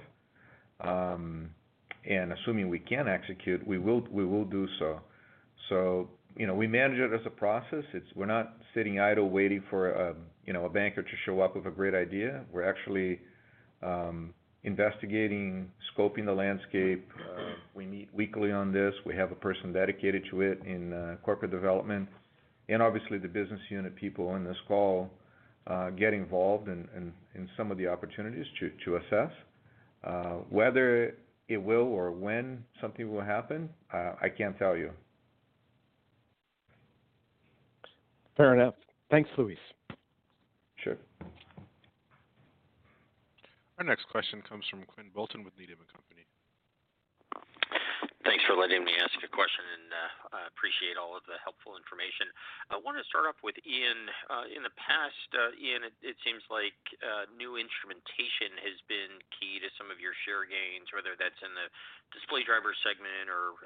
and assuming we can execute, we will do so. You know, we manage it as a process. We're not sitting idle waiting for, you know, a banker to show up with a great idea. We're actually investigating, scoping the landscape. We meet weekly on this. We have a person dedicated to it in corporate development. Obviously the business unit people on this call get involved in some of the opportunities to assess. Whether it will or when something will happen, I can't tell you. Fair enough. Thanks, Luis. Sure. Our next question comes from Quinn Bolton with Needham & Company. Thanks for letting me ask a question, and I appreciate all of the helpful information. I wanna start off with Ian. In the past, Ian, it seems like new instrumentation has been key to some of your share gains, whether that's in the display driver segment or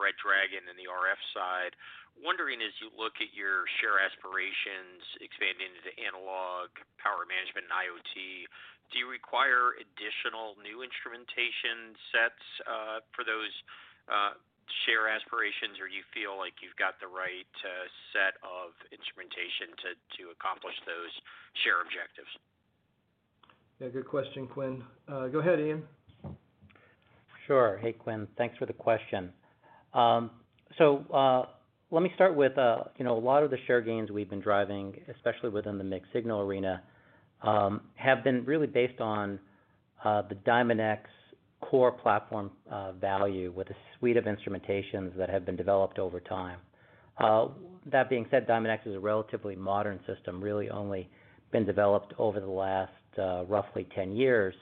Red Dragon in the RF side. Wondering as you look at your share aspirations expanding into analog power management and IoT, do you require additional new instrumentation sets for those share aspirations, or you feel like you've got the right set of instrumentation to accomplish those share objectives? Yeah, good question, Quinn. Go ahead, Ian. Sure. Hey, Quinn. Thanks for the question. Let me start with, you know, a lot of the share gains we've been driving, especially within the mixed signal arena, have been really based on, the Diamondx core platform, value with a suite of instrumentations that have been developed over time. That being said, Diamondx is a relatively modern system, really only been developed over the last, roughly 10 years.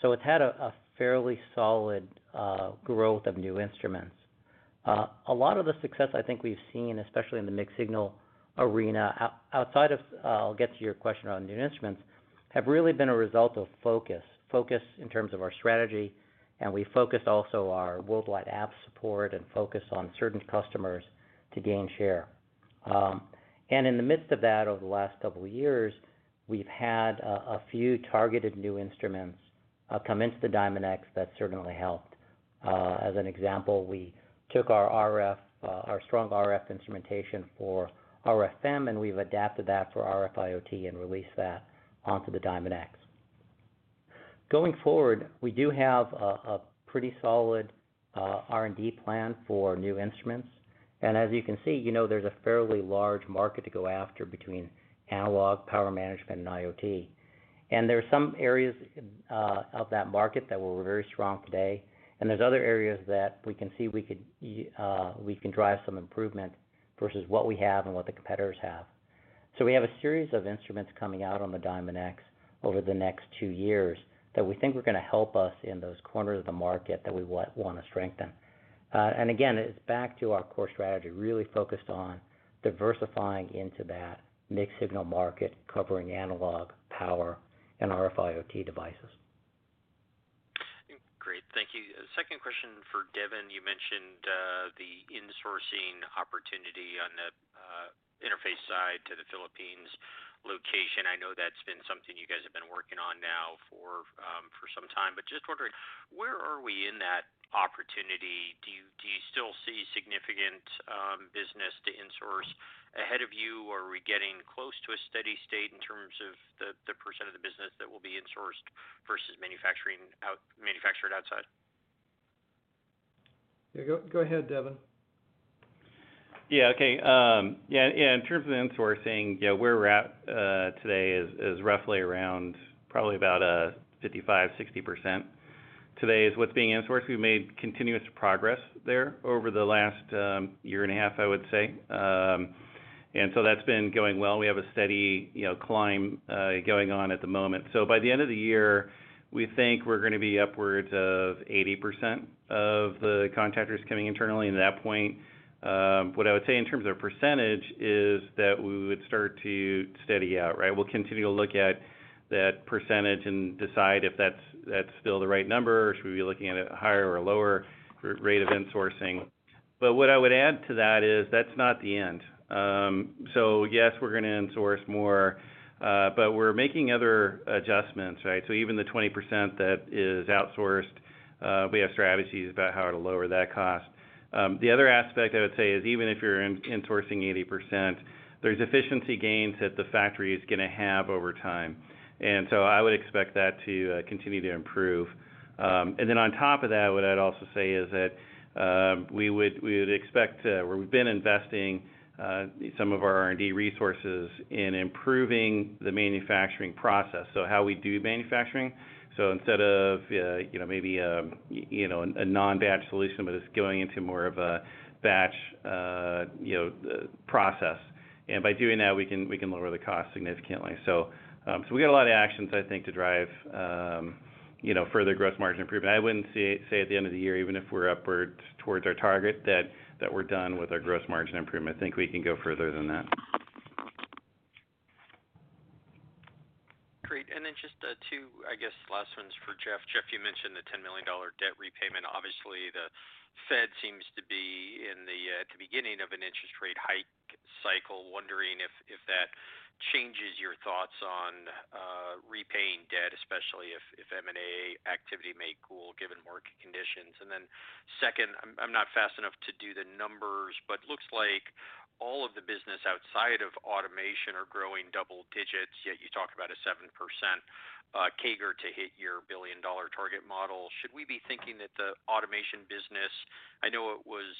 So it's had a fairly solid growth of new instruments. A lot of the success I think we've seen, especially in the mixed signal arena, outside of, I'll get to your question on new instruments, have really been a result of focus. Focus in terms of our strategy, and we focus also our worldwide app support and focus on certain customers to gain share. In the midst of that, over the last couple years, we've had a few targeted new instruments come into Diamondx that certainly helped. As an example, we took our strong RF instrumentation for RFM, and we've adapted that for RF IoT and released that onto the Diamondx. Going forward, we do have a pretty solid R&D plan for new instruments. As you can see, you know, there's a fairly large market to go after between analog, power management, and IoT. There are some areas of that market that we're very strong today, and there's other areas that we can see we can drive some improvement versus what we have and what the competitors have. We have a series of instruments coming out on the Diamondx over the next two years that we think are gonna help us in those corners of the market that we wanna strengthen. Again, it's back to our core strategy, really focused on diversifying into that mixed signal market, covering analog, power, and RF IoT devices. Great. Thank you. Second question for Devin. You mentioned the insourcing opportunity on the interface side to the Philippines location. I know that's been something you guys have been working on now for some time, but just wondering where are we in that opportunity? Do you still see significant business to insource ahead of you, or are we getting close to a steady state in terms of the percent of the business that will be insourced versus manufactured outside? Yeah. Go ahead, Devin. Okay, in terms of insourcing, where we're at today is roughly around probably about 55-60%. Today is what's being insourced. We've made continuous progress there over the last year and a half, I would say. That's been going well. We have a steady, you know, climb going on at the moment. By the end of the year, we think we're gonna be upwards of 80% of the contactors coming internally. At that point, what I would say in terms of percentage is that we would start to steady out, right? We'll continue to look at that percentage and decide if that's still the right number, should we be looking at a higher or lower rate of insourcing. What I would add to that is that's not the end. Yes, we're gonna insource more, but we're making other adjustments, right? Even the 20% that is outsourced, we have strategies about how to lower that cost. The other aspect I would say is even if you're insourcing 80%, there's efficiency gains that the factory is gonna have over time. I would expect that to continue to improve. Then on top of that, what I'd also say is that we would expect to. We've been investing some of our R&D resources in improving the manufacturing process, so how we do manufacturing. Instead of you know, maybe you know, a non-batch solution but is going into more of a batch you know, process. By doing that, we can lower the cost significantly. We got a lot of actions, I think, to drive, you know, further gross margin improvement. I wouldn't say at the end of the year, even if we're upward towards our target, that we're done with our gross margin improvement. I think we can go further than that. Great. Just two, I guess, last ones for Jeff. Jeff, you mentioned the $10 million debt repayment. Obviously, the Fed seems to be in the beginning of an interest rate hike cycle. Wondering if that changes your thoughts on repaying debt, especially if M&A activity may cool given market conditions. Second, I'm not fast enough to do the numbers, but looks like all of the business outside of automation are growing double digits, yet you talked about a 7% CAGR to hit your billion-dollar target model. Should we be thinking that the automation business, I know it was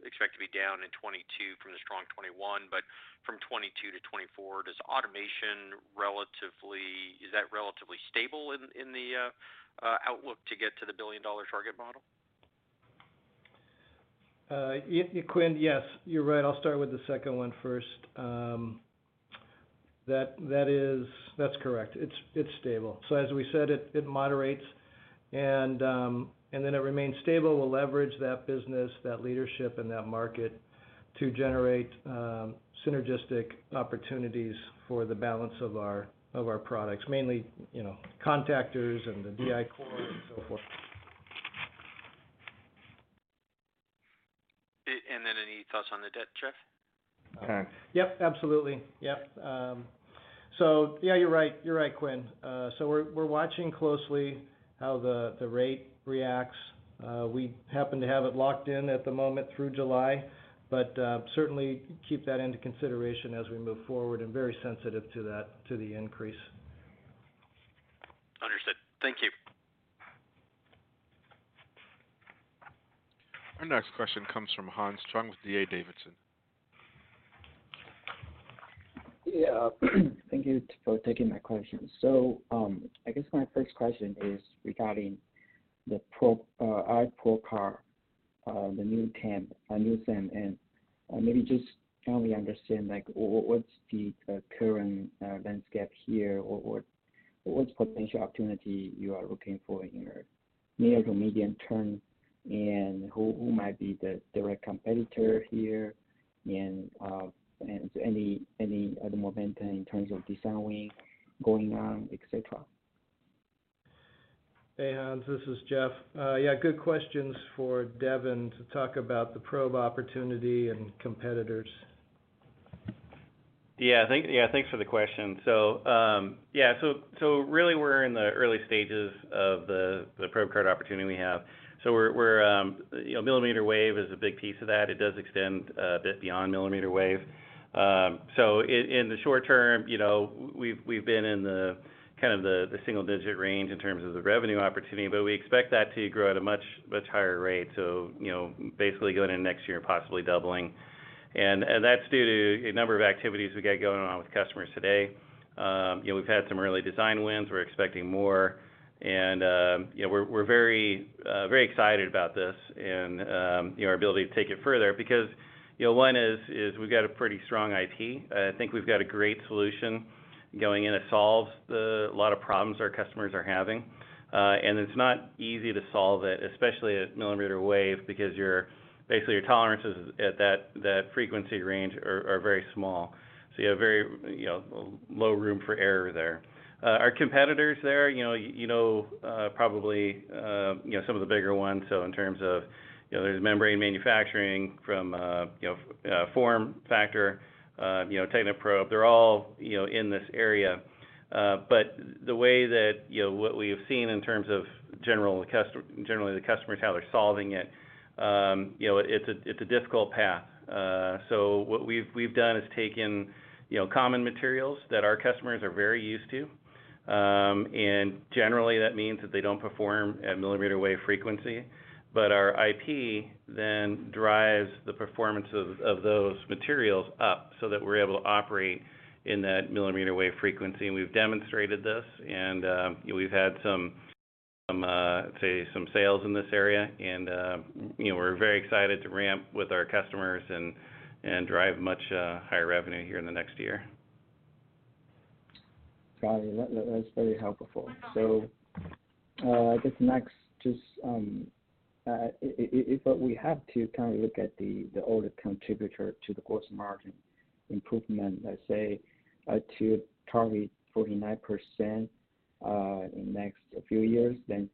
expected to be down in 2022 from 2021, but from 2022 to 2024, does automation relatively, is that relatively stable in the outlook to get to the billion-dollar target model? Yeah, Quinn, yes. You're right. I'll start with the second one first. That's correct. It's stable. As we said, it moderates and then it remains stable. We'll leverage that business, that leadership, and that market to generate synergistic opportunities for the balance of our products. Mainly, you know, contactors and the DI-Core and so forth. Any thoughts on the debt, Jeff? Yep, absolutely. Yep. Yeah, you're right, Quinn. We're watching closely how the rate reacts. We happen to have it locked in at the moment through July, but certainly keep that into consideration as we move forward and very sensitive to that, to the increase. Understood. Thank you. Our next question comes from Hans Chung with D.A. Davidson. Yeah, thank you for taking my question. I guess my first question is regarding the probe, our probe card, the new temp, a new SIM. Maybe just can we understand, like, what's the current landscape here, or what's potential opportunity you are looking for here, near to medium term? Who might be the direct competitor here? Any other momentum in terms of designing going on, et cetera? Hey, Hans, this is Jeff. Good questions for Devin to talk about the probe opportunity and competitors. Thanks for the question. Really, we're in the early stages of the probe card opportunity we have. You know, millimeter wave is a big piece of that. It does extend a bit beyond millimeter wave. In the short term, you know, we've been in kind of the single-digit range in terms of the revenue opportunity, but we expect that to grow at a much higher rate. You know, basically going in next year and possibly doubling. That's due to a number of activities we got going on with customers today. You know, we've had some early design wins. We're expecting more. You know, we're very excited about this and our ability to take it further. Because, you know, one is we've got a pretty strong IP. I think we've got a great solution going in. It solves a lot of problems our customers are having. And it's not easy to solve it, especially at millimeter wave, because basically your tolerances at that frequency range are very small. So you have very, you know, low room for error there. Our competitors there, you know, probably some of the bigger ones. So in terms of, you know, there's membrane manufacturing from FormFactor, Technoprobe. They're all, you know, in this area. But the way that, you know, what we've seen in terms of generally the customers, how they're solving it's a difficult path. What we've done is taken, you know, common materials that our customers are very used to, and generally that means that they don't perform at millimeter wave frequency. Our IP then drives the performance of those materials up so that we're able to operate in that millimeter wave frequency. We've demonstrated this and we've had some sales in this area and, you know, we're very excited to ramp with our customers and drive much higher revenue here in the next year. Got it. That's very helpful. I guess next just if what we have to kind of look at the other contributor to the gross margin improvement, let's say, to target 49% in next few years, then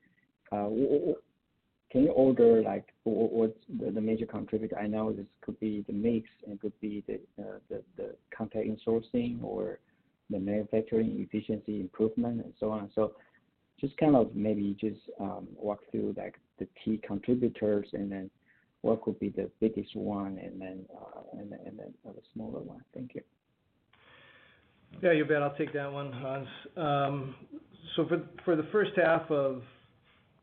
can you order, like what's the major contributor? I know this could be the mix, and it could be the contract outsourcing or the manufacturing efficiency improvement and so on. Just kind of walk through, like, the key contributors and then what could be the biggest one and then the smaller one? Thank you. Yeah, you bet. I'll take that one, Hans. For the first half of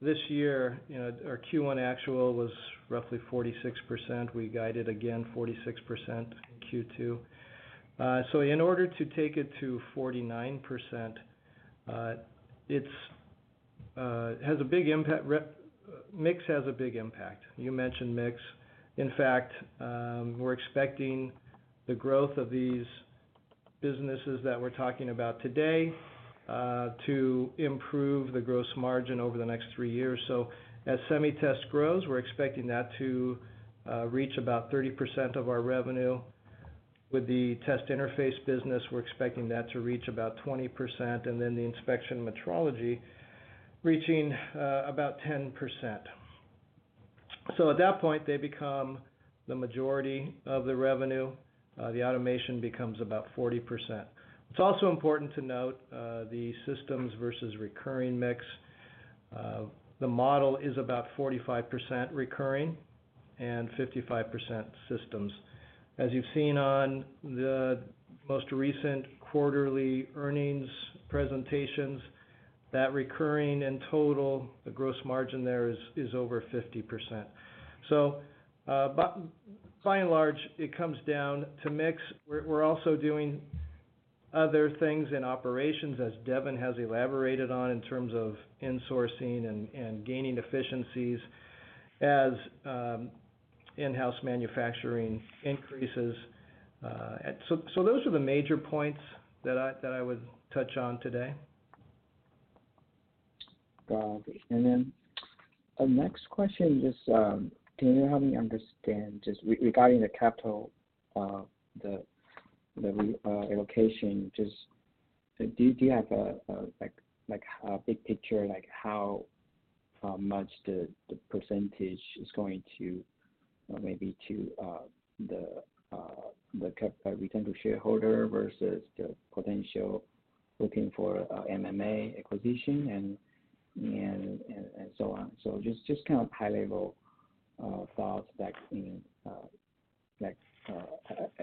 this year, you know, our Q1 actual was roughly 46%. We guided again 46% Q2. In order to take it to 49%, Mix has a big impact. You mentioned mix. In fact, we're expecting the growth of these businesses that we're talking about today to improve the gross margin over the next three years. As SemiTest grows, we're expecting that to reach about 30% of our revenue. With the test interface business, we're expecting that to reach about 20%, and then Inspection Metrology reaching about 10%. At that point, they become the majority of the revenue. The automation becomes about 40%. It's also important to note the systems versus recurring mix. The model is about 45% recurring and 55% systems. As you've seen on the most recent quarterly earnings presentations. That recurring in total, the gross margin there is over 50%. By and large, it comes down to mix. We're also doing other things in operations, as Devin has elaborated on, in terms of insourcing and gaining efficiencies as in-house manufacturing increases. Those are the major points that I would touch on today. Got it. The next question is, can you help me understand just regarding the capital allocation. Do you have a like big picture, like how much the percentage is going to maybe to the capital return to shareholder versus the potential looking for M&A acquisition and so on. Just kind of high level thoughts that can like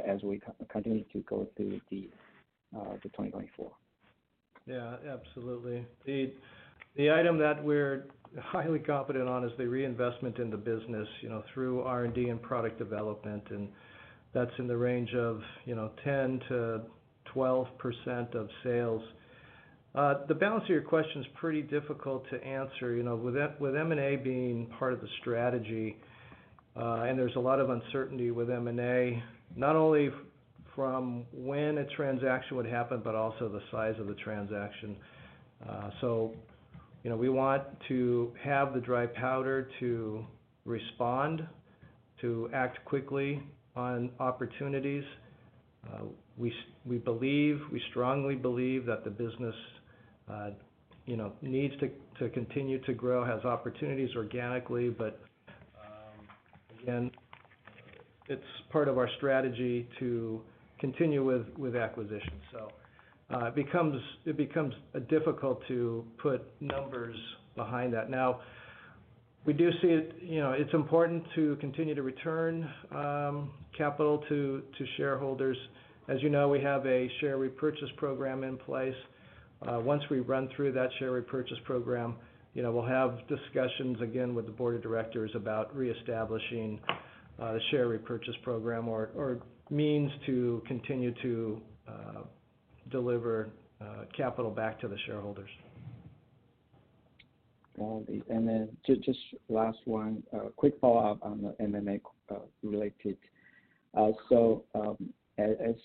as we continue to go through the 2024. Yeah, absolutely. The item that we're highly confident on is the reinvestment in the business, you know, through R&D and product development, and that's in the range of, you know, 10% to 12% of sales. The balance of your question is pretty difficult to answer. You know, with M&A being part of the strategy, and there's a lot of uncertainty with M&A, not only from when a transaction would happen, but also the size of the transaction. You know, we want to have the dry powder to respond, to act quickly on opportunities. We believe, we strongly believe that the business, you know, needs to continue to grow, has opportunities organically. But again, it's part of our strategy to continue with acquisitions. It becomes difficult to put numbers behind that. Now, we do see it, you know, it's important to continue to return capital to shareholders. As you know, we have a share repurchase program in place. Once we run through that share repurchase program, you know, we'll have discussions again with the board of directors about reestablishing the share repurchase program or means to continue to deliver capital back to the shareholders. Then just last one, a quick follow-up on the M&A related. As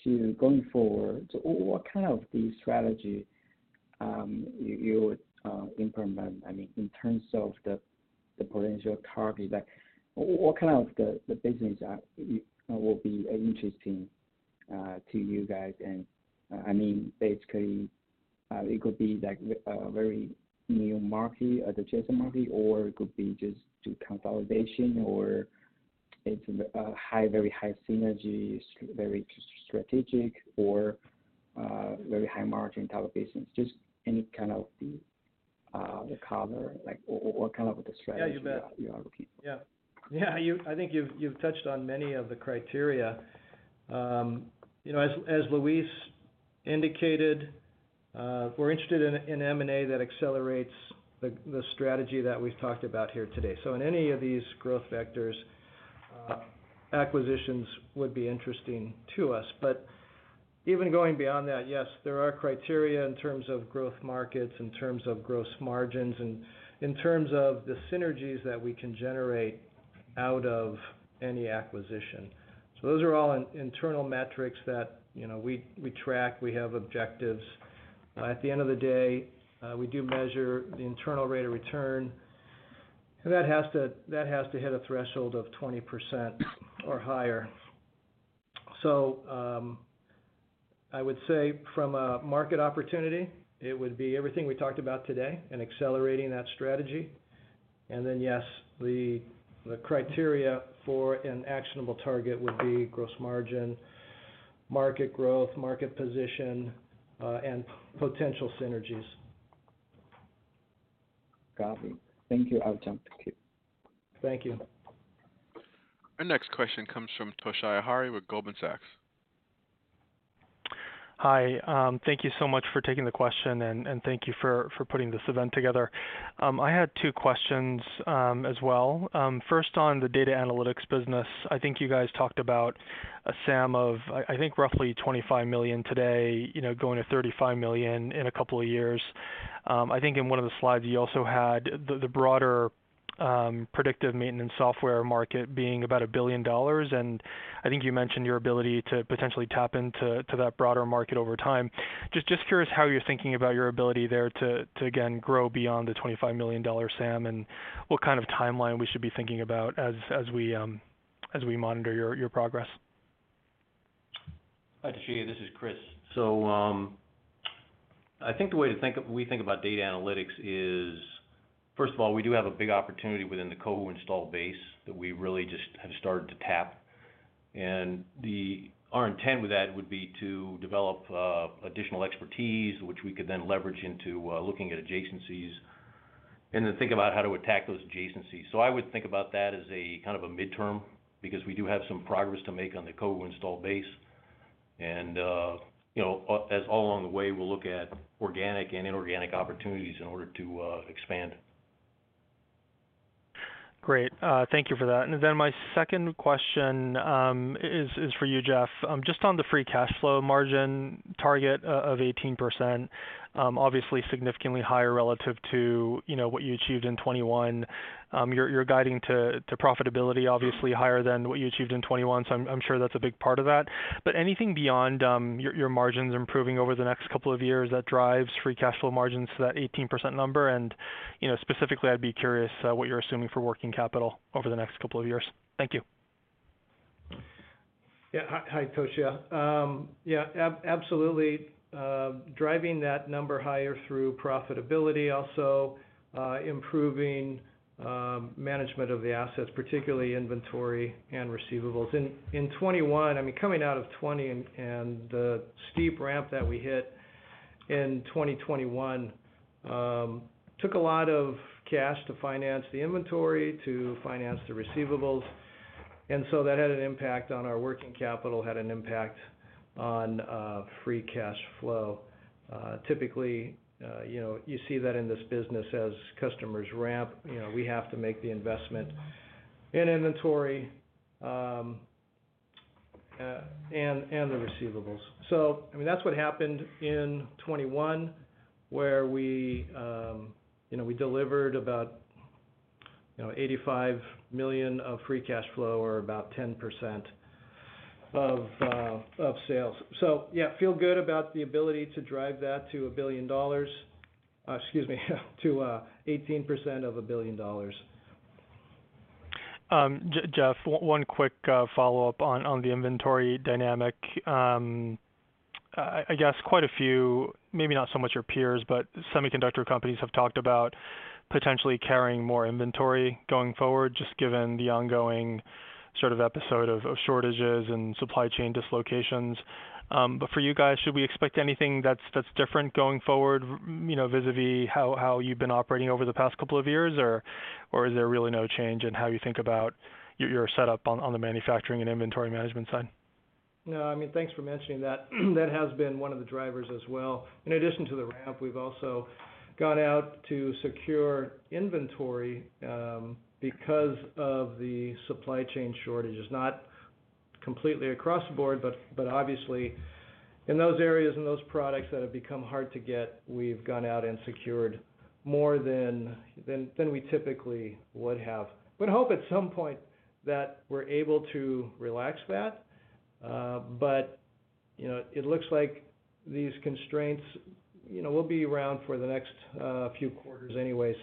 you going forward, what kind of the strategy you would implement, I mean, in terms of the potential target? Like, what kind of the business you will be interesting to you guys? I mean, basically, it could be like a very new market, adjacent market, or it could be just do consolidation, or it's very high synergy, very strategic or very high margin type of business. Just any kind of the color, like what kind of the strategy you are looking for? Yeah, you bet. Yeah. I think you've touched on many of the criteria. You know, as Luis indicated, we're interested in M&A that accelerates the strategy that we've talked about here today. In any of these growth vectors, acquisitions would be interesting to us. Even going beyond that, yes, there are criteria in terms of growth markets, in terms of gross margins, and in terms of the synergies that we can generate out of any acquisition. Those are all internal metrics that, you know, we track, we have objectives. At the end of the day, we do measure the internal rate of return, and that has to hit a threshold of 20% or higher. I would say from a market opportunity, it would be everything we talked about today and accelerating that strategy. The criteria for an actionable target would be gross margin, market growth, market position, and potential synergies. Copy. Thank you. I'll jump. Thank you. Thank you. Our next question comes from Toshiya Hari with Goldman Sachs. Hi, thank you so much for taking the question, and thank you for putting this event together. I had two questions as well. First, on the data analytics business. I think you guys talked about a SAM of, I think roughly $25 million today, you know, going to $35 million in a couple of years. I think in one of the slides, you also had the broader predictive maintenance software market being about $1 billion, and I think you mentioned your ability to potentially tap into that broader market over time. Just curious how you're thinking about your ability there to again grow beyond the $25 million SAM, and what kind of timeline we should be thinking about as we monitor your progress. Hi, Toshiya. This is Chris. I think we think about data analytics is, first of all, we do have a big opportunity within the Cohu install base that we really just have started to tap. Our intent with that would be to develop additional expertise, which we could then leverage into looking at adjacencies. Then think about how to attack those adjacencies. I would think about that as a kind of a midterm because we do have some progress to make on the Cohu install base. You know, as all along the way, we'll look at organic and inorganic opportunities in order to expand. Great. Thank you for that. My second question is for you, Jeff. Just on the free cash flow margin target of 18%, obviously significantly higher relative to, you know, what you achieved in 2021. You're guiding to profitability obviously higher than what you achieved in 2021, so I'm sure that's a big part of that. Anything beyond your margins improving over the next couple of years that drives free cash flow margins to that 18% number? You know, specifically, I'd be curious what you're assuming for working capital over the next couple of years. Thank you. Yeah. Hi, Toshiya. Absolutely, driving that number higher through profitability also, improving management of the assets, particularly inventory and receivables. In 2021, I mean, coming out of 2020 and the steep ramp that we hit in 2021, took a lot of cash to finance the inventory, to finance the receivables. That had an impact on our working capital, had an impact on free cash flow. Typically, you know, you see that in this business as customers ramp, you know, we have to make the investment in inventory and the receivables. I mean, that's what happened in 2021, where we, you know, we delivered about $85 million of free cash flow or about 10% of sales. Yeah, feel good about the ability to drive that to $1 billion. Excuse me, to 18% of $1 billion. Jeff, one quick follow-up on the inventory dynamic. I guess quite a few, maybe not so much your peers, but semiconductor companies have talked about potentially carrying more inventory going forward, just given the ongoing sort of episode of shortages and supply chain dislocations. But for you guys, should we expect anything that's different going forward, you know, vis-a-vis how you've been operating over the past couple of years? Or is there really no change in how you think about your setup on the manufacturing and inventory management side? No, I mean, thanks for mentioning that. That has been one of the drivers as well. In addition to the ramp, we've also gone out to secure inventory, because of the supply chain shortages, not completely across the board, but obviously in those areas and those products that have become hard to get, we've gone out and secured more than we typically would have. Would hope at some point that we're able to relax that, but, you know, it looks like these constraints, you know, will be around for the next few quarters anyway.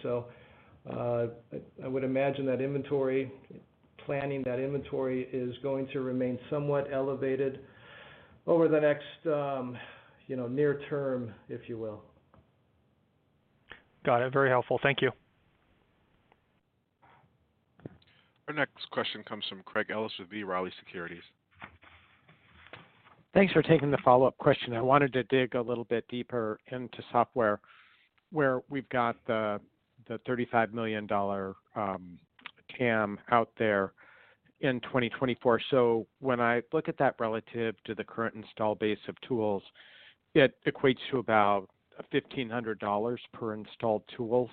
I would imagine that inventory planning, that inventory is going to remain somewhat elevated over the next, you know, near term, if you will. Got it. Very helpful. Thank you. Our next question comes from Craig Ellis with B. Riley Securities. Thanks for taking the follow-up question. I wanted to dig a little bit deeper into software, where we've got the $35 million TAM out there in 2024. When I look at that relative to the current install base of tools, it equates to about $1,500 per installed tool.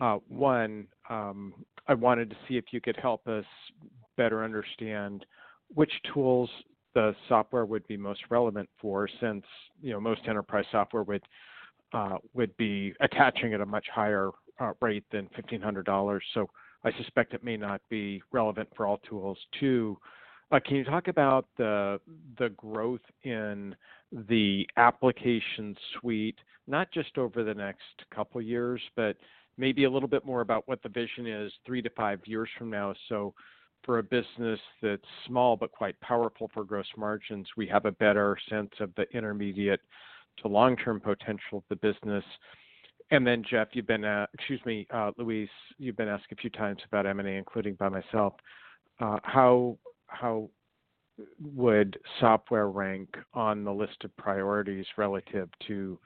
I wanted to see if you could help us better understand which tools the software would be most relevant for since, you know, most enterprise software would be attaching at a much higher rate than $1,500. I suspect it may not be relevant for all tools. Can you talk about the growth in the application suite, not just over the next couple years, but maybe a little bit more about what the vision is three to five years from now. For a business that's small but quite powerful for gross margins, we have a better sense of the intermediate to long-term potential of the business. Jeff, you've been, excuse me, Luis, you've been asked a few times about M&A, including by myself. How would software rank on the list of priorities relative to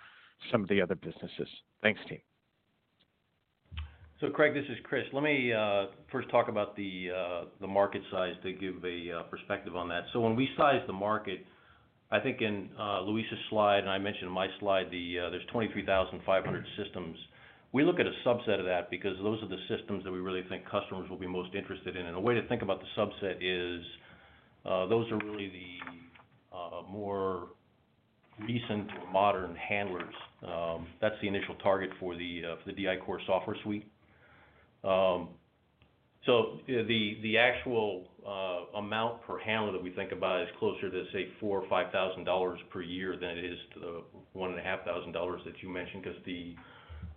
some of the other businesses? Thanks, team. Craig, this is Chris. Let me first talk about the market size to give a perspective on that. When we size the market, I think in Luis' slide, and I mentioned in my slide, there's 23,500 systems. We look at a subset of that because those are the systems that we really think customers will be most interested in. A way to think about the subset is those are really the more recent or modern handlers. That's the initial target for the DI-Core software suite. You know, the actual amount per handler that we think about is closer to, say, $4,000 or $5,000 per year than it is to the $1,500 that you mentioned, 'cause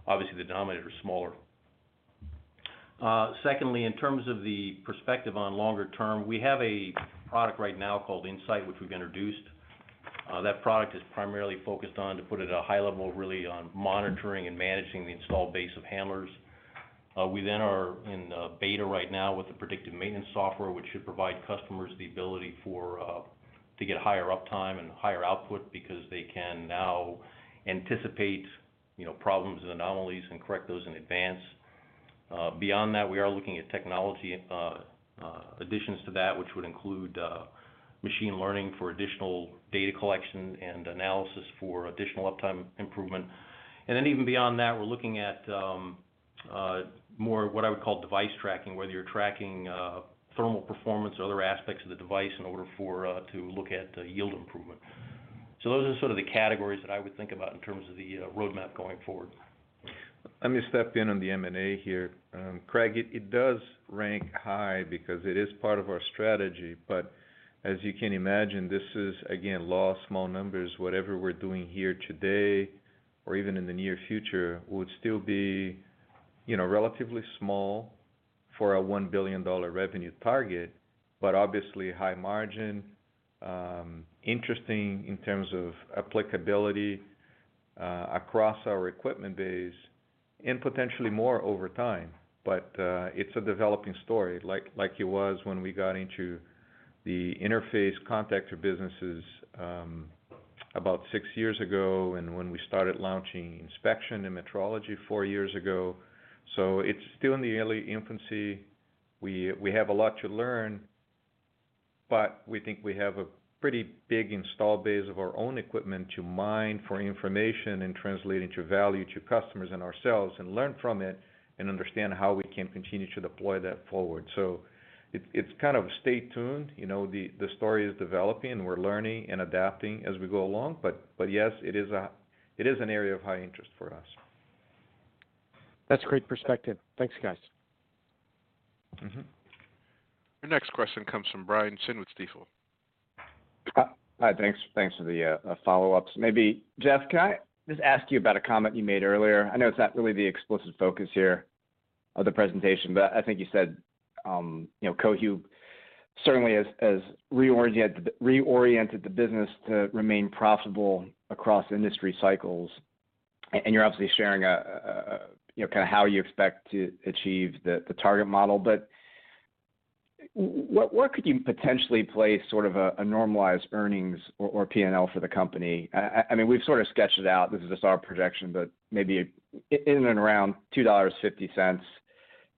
obviously, the denominator is smaller. Secondly, in terms of the perspective on longer term, we have a product right now called InSight, which we've introduced. That product is primarily focused on, to put it at a high level, really on monitoring and managing the installed base of handlers. We are in beta right now with the Predictive Maintenance software, which should provide customers the ability to get higher uptime and higher output because they can now anticipate, you know, problems and anomalies and correct those in advance. Beyond that, we are looking at technology additions to that, which would include machine learning for additional data collection and analysis for additional uptime improvement. Even beyond that, we're looking at more what I would call device tracking, whether you're tracking thermal performance or other aspects of the device in order to look at yield improvement. Those are sort of the categories that I would think about in terms of the roadmap going forward. Let me step in on the M&A here. Craig, it does rank high because it is part of our strategy. As you can imagine, this is, again, law of small numbers. Whatever we're doing here today, or even in the near future, would still be, you know, relatively small for a $1 billion revenue target, but obviously high margin, interesting in terms of applicability, across our equipment base and potentially more over time. It's a developing story like it was when we got into the Interface contactor businesses, about six years ago, and when we started launching Inspection and Metrology four years ago. It's still in the early infancy. We have a lot to learn, but we think we have a pretty big install base of our own equipment to mine for information and translating to value to customers and ourselves and learn from it and understand how we can continue to deploy that forward. It's kind of stay tuned, you know. The story is developing, we're learning and adapting as we go along. Yes, it is an area of high interest for us. That's great perspective. Thanks, guys. Your next question comes from Brian Chin with Stifel. Hi, thanks. Thanks for the follow-ups. Maybe Jeff, can I just ask you about a comment you made earlier? I know it's not really the explicit focus here of the presentation, but I think you said Cohu certainly has reoriented the business to remain profitable across industry cycles. You're obviously sharing kind of how you expect to achieve the target model. But what, where could you potentially place sort of a normalized earnings or P&L for the company? I mean, we've sort of sketched it out. This is just our projection, but maybe in and around $2.50,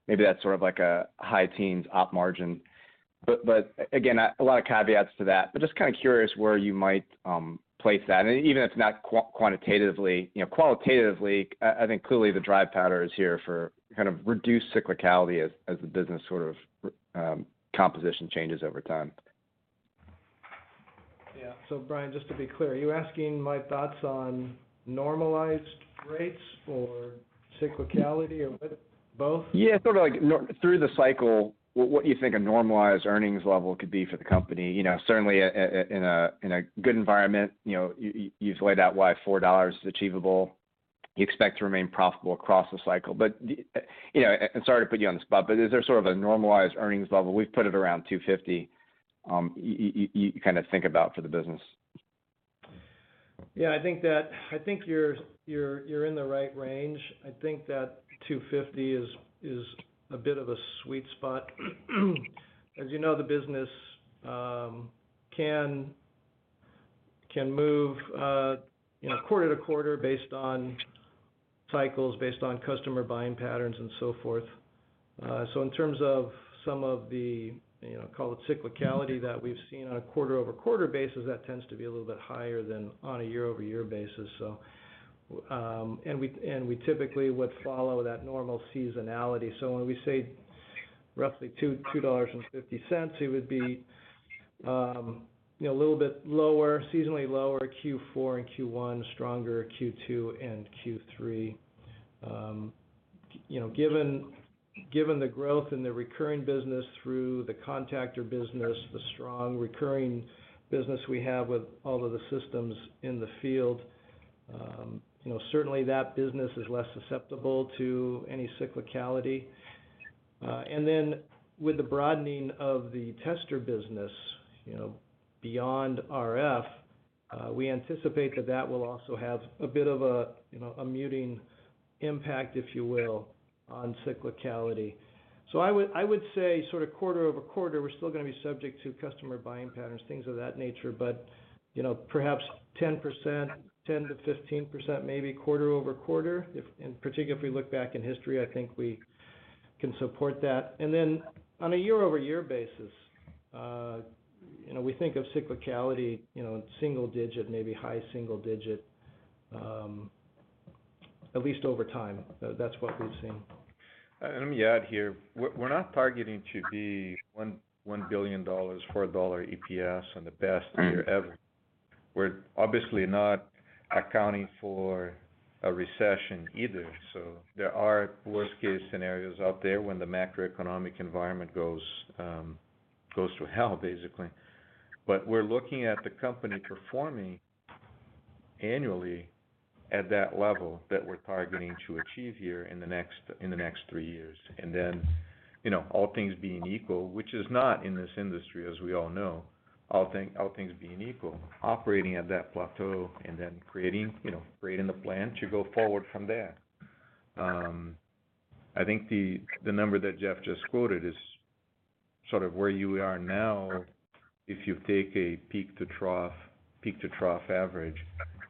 maybe that's sort of like a high teens op margin. Again, a lot of caveats to that, but just kind of curious where you might place that, even if it's not quantitatively, you know, qualitatively? I think clearly the drive pattern is here for kind of reduced cyclicality as the business sort of composition changes over time. Yeah. Brian, just to be clear, are you asking my thoughts on normalized rates or cyclicality, or what, both? Yeah, sort of like through the cycle, what do you think a normalized earnings level could be for the company? You know, certainly in a good environment, you know, you've laid out why $4 is achievable. You expect to remain profitable across the cycle. You know, sorry to put you on the spot, but is there sort of a normalized earnings level, we've put it around $2.50, you kind of think about for the business? Yeah, I think you're in the right range. I think that $2.50 is a bit of a sweet spot. As you know, the business can move, you know, quarter-to-quarter based on cycles, based on customer buying patterns and so forth. In terms of some of the, you know, call it cyclicality that we've seen on a quarter-over-quarter basis, that tends to be a little bit higher than on a year-over-year basis. We typically would follow that normal seasonality. When we say roughly $2.50, it would be, you know, a little bit lower, seasonally lower Q4 and Q1, stronger Q2 and Q3. You know, given the growth in the recurring business through the contactor business, the strong recurring business we have with all of the systems in the field, you know, certainly that business is less susceptible to any cyclicality. And then with the broadening of the tester business, you know, beyond RF, we anticipate that will also have a bit of a, you know, a muting impact, if you will, on cyclicality. I would say sort of quarter-over-quarter, we're still gonna be subject to customer buying patterns, things of that nature. You know, perhaps 10%, 10% to 15%, maybe quarter-over-quarter, and particularly if we look back in history, I think we can support that. On a year-over-year basis, you know, we think of cyclicality, you know, in single-digit, maybe high single-digit, at least over time. That's what we've seen. Let me add here. We're not targeting to be $1 billion, $4 EPS and the best year ever. We're obviously not accounting for a recession either. There are worst case scenarios out there when the macroeconomic environment goes to hell, basically. We're looking at the company performing annually at that level that we're targeting to achieve here in the next three years. You know, all things being equal, which is not in this industry, as we all know, all things being equal, operating at that plateau and then creating the plan to go forward from there. I think the number that Jeff just quoted is sort of where you are now if you take a peak-to-trough average,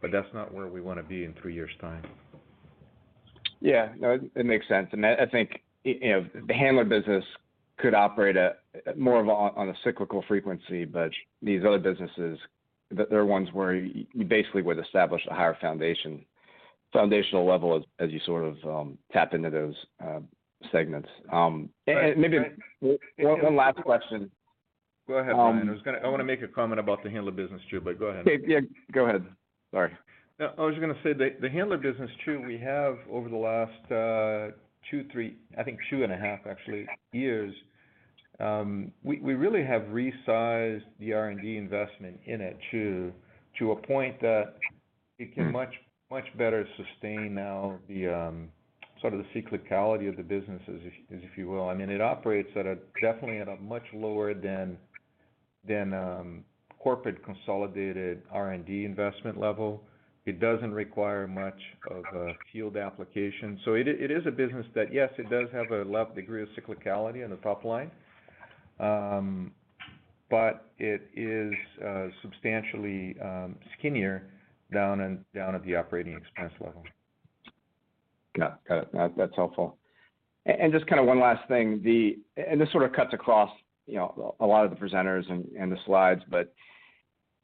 but that's not where we wanna be in three years' time. Yeah. No, it makes sense. I think you know the handler business could operate at more of a on a cyclical frequency, but these other businesses, there are ones where you basically would establish a higher foundational level as you sort of tap into those segments. Maybe one last question. Go ahead, Brian. I wanna make a comment about the handler business too, but go ahead. Yeah. Go ahead. Sorry. I was just gonna say, the handler business too, we have over the last two, three, I think 2.5, actually, years, we really have resized the R&D investment in it to a point that it can much better sustain now the sort of the cyclicality of the business, as if you will. I mean, it operates at a definitely at a much lower than corporate consolidated R&D investment level. It doesn't require much of a field application. So it is a business that, yes, it does have a low degree of cyclicality on the top line, but it is substantially skinnier down and down at the operating expense level. Got it. That's helpful. Just kinda one last thing. This sort of cuts across, you know, a lot of the presenters and the slides, but,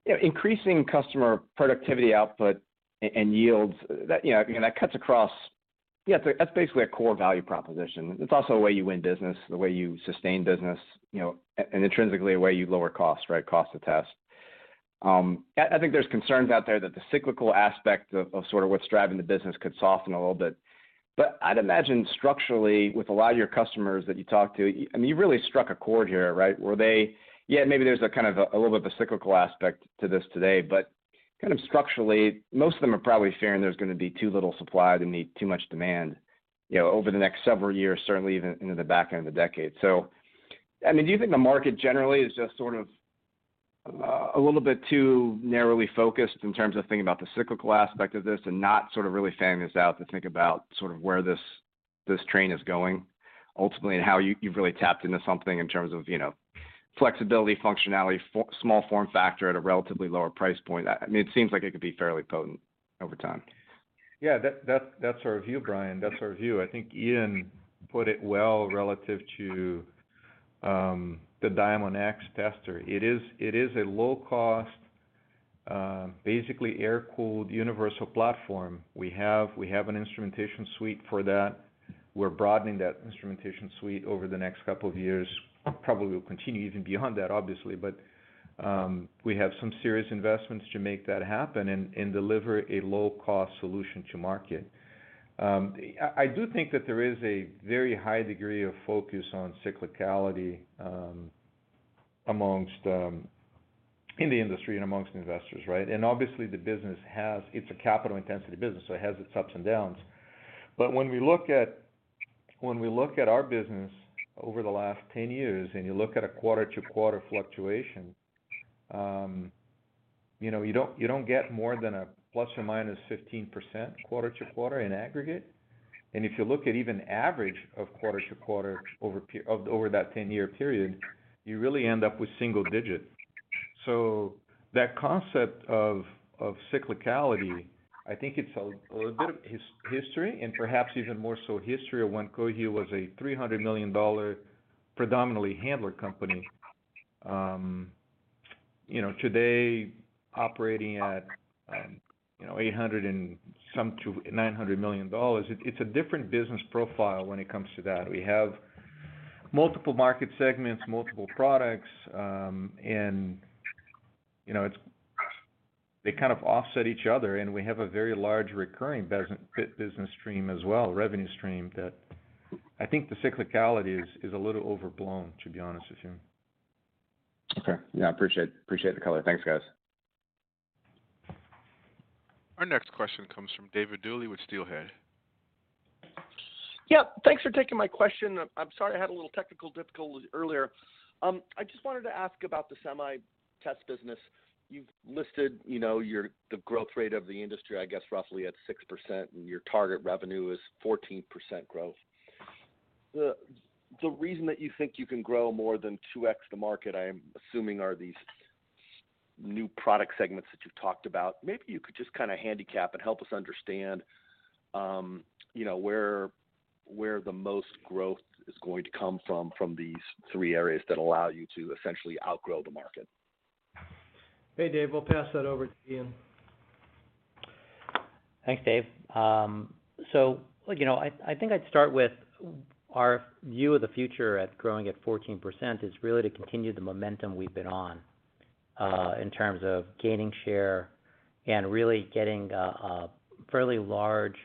you know, increasing customer productivity output and yields, that, you know, I mean, that cuts across. Yeah, that's basically a core value proposition. It's also a way you win business, the way you sustain business, you know, and intrinsically, a way you lower costs, right? Cost of test. I think there's concerns out there that the cyclical aspect of sort of what's driving the business could soften a little bit. I'd imagine structurally, with a lot of your customers that you talk to, I mean, you really struck a chord here, right? Yeah, maybe there's a kind of a little bit of a cyclical aspect to this today, but kind of structurally, most of them are probably fearing there's gonna be too little supply, they need too much demand, you know, over the next several years, certainly even into the back end of the decade. I mean, do you think the market generally is just sort of a little bit too narrowly focused in terms of thinking about the cyclical aspect of this and not sort of really fanning this out to think about sort of where this train is going ultimately, and how you've really tapped into something in terms of, you know, flexibility, functionality, small form factor at a relatively lower price point? I mean, it seems like it could be fairly potent over time. Yeah, that's our view, Brian. That's our view. I think Ian put it well relative to the Diamondx tester. It is a low-cost, basically air-cooled universal platform. We have an instrumentation suite for that. We're broadening that instrumentation suite over the next couple of years. Probably will continue even beyond that, obviously. We have some serious investments to make that happen and deliver a low-cost solution to market. I do think that there is a very high degree of focus on cyclicality among investors in the industry and among investors, right? It's a capital-intensive business, so it has its ups and downs. When we look at our business over the last 10 years, and you look at a quarter-to-quarter fluctuation, you know, you don't get more than a ±15% quarter-to-quarter in aggregate. If you look at even average of quarter to quarter over that 10 year period, you really end up with single digit. That concept of cyclicality, I think it's a bit of history and perhaps even more so history of when Cohu was a $300 million predominantly handler company. You know, today operating at, you know, $800 and some to $900 million, it's a different business profile when it comes to that. We have multiple market segments, multiple products, and, you know, it's, they kind of offset each other, and we have a very large recurring business stream as well, revenue stream that I think the cyclicality is a little overblown, to be honest with you. Okay. Yeah, appreciate the color. Thanks, guys. Our next question comes from David Duley with Steelhead. Yeah. Thanks for taking my question. I'm sorry I had a little technical difficulty earlier. I just wanted to ask about the semi test business. You've listed, you know, your the growth rate of the industry, I guess, roughly at 6%, and your target revenue is 14% growth. The reason that you think you can grow more than 2x the market, I'm assuming, are these new product segments that you've talked about. Maybe you could just kinda handicap and help us understand, you know, where the most growth is going to come from these three areas that allow you to essentially outgrow the market? Hey, Dave. We'll pass that over to Ian. Thanks, David. So, look, you know, I think I'd start with our view of the future at growing at 14% is really to continue the momentum we've been on, in terms of gaining share and really getting a fairly large,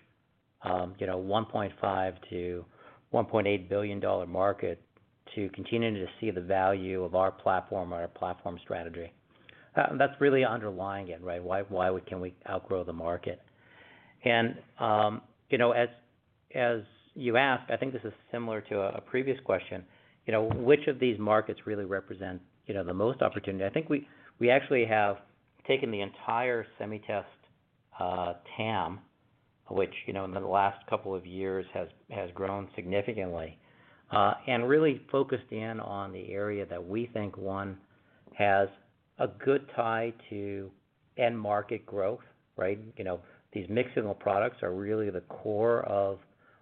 you know, $1.5 to $1.8 billion market to continue to see the value of our platform, our platform strategy. And that's really underlying it, right? Why we can outgrow the market? You know, as you asked, I think this is similar to a previous question, you know, which of these markets really represent the most opportunity? I think we actually have taken the entire SemiTest TAM, which, you know, in the last couple of years has grown significantly, and really focused in on the area that we think has a good tie to end market growth, right? You know, these mixed-signal products are really the core of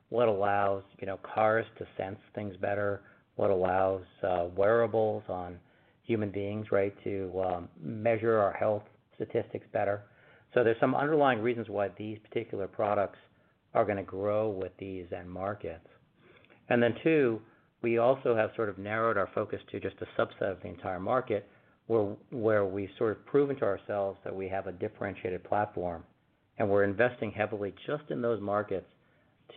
what allows, you know, cars to sense things better, what allows wearables on human beings, right, to measure our health statistics better. There's some underlying reasons why these particular products are gonna grow with these end markets. Then two, we also have sort of narrowed our focus to just a subset of the entire market where we've sort of proven to ourselves that we have a differentiated platform and we're investing heavily just in those markets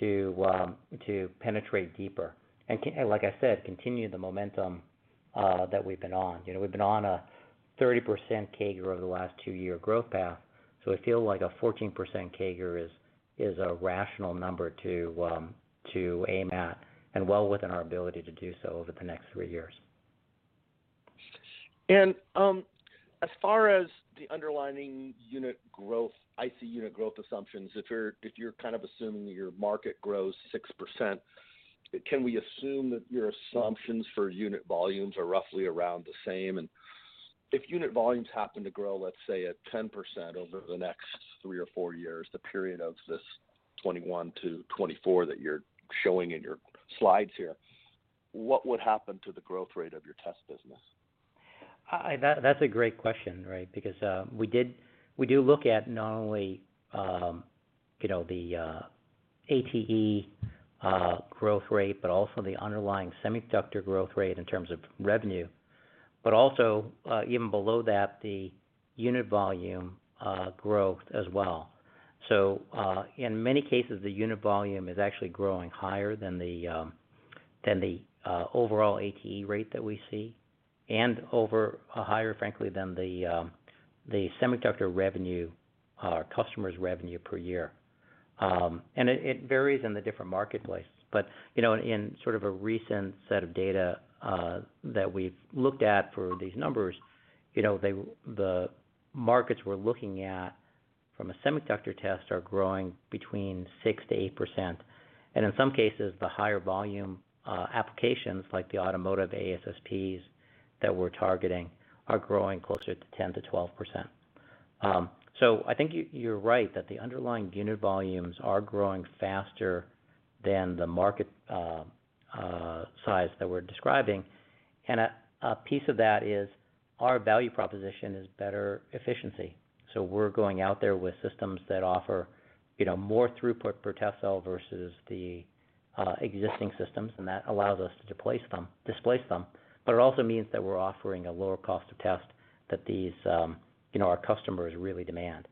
to penetrate deeper and like I said, continue the momentum that we've been on. You know, we've been on a 30% CAGR over the last two year growth path, so it feels like a 14% CAGR is a rational number to aim at and well within our ability to do so over the next three years. As far as the underlying unit growth, IC unit growth assumptions, if you're kind of assuming that your market grows 6%, can we assume that your assumptions for unit volumes are roughly around the same? If unit volumes happen to grow, let's say, at 10% over the next three or four years, the period of this 2021 to 2024 that you're showing in your slides here, what would happen to the growth rate of your test business? That's a great question, right? Because we do look at not only you know the ATE growth rate, but also the underlying semiconductor growth rate in terms of revenue, but also even below that, the unit volume growth as well. In many cases, the unit volume is actually growing higher than the overall ATE rate that we see, and even higher, frankly, than the semiconductor revenue, our customers' revenue per year. It varies in the different marketplaces. You know in sort of a recent set of data that we've looked at for these numbers, you know the markets we're looking at from a semiconductor test are growing 6% to 8%. In some cases, the higher volume applications, like the automotive ASSP that we're targeting, are growing closer to 10% to 12%. I think you're right that the underlying unit volumes are growing faster than the market size that we're describing. A piece of that is our value proposition is better efficiency. We're going out there with systems that offer, you know, more throughput per test cell versus the existing systems, and that allows us to displace them. It also means that we're offering a lower cost of test that these, you know, our customers really demand.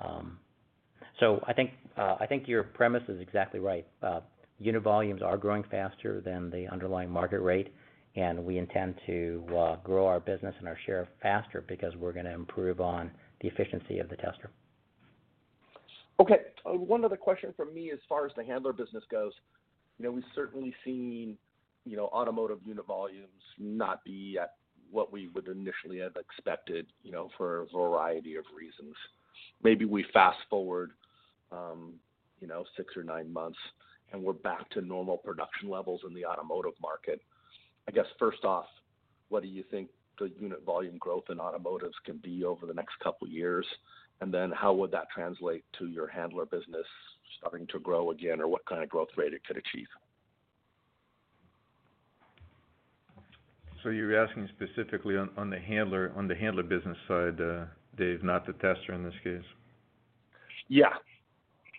I think your premise is exactly right. Unit volumes are growing faster than the underlying market rate, and we intend to grow our business and our share faster because we're gonna improve on the efficiency of the tester. Okay. One other question from me as far as the handler business goes. You know, we've certainly seen, you know, automotive unit volumes not be at what we would initially have expected, you know, for a variety of reasons. Maybe we fast-forward, you know, six or nine months, and we're back to normal production levels in the automotive market. I guess, first off, what do you think the unit volume growth in automotive can be over the next couple years? And then how would that translate to your handler business starting to grow again, or what kind of growth rate it could achieve? You're asking specifically on the handler business side, Dave, not the tester in this case? Yeah.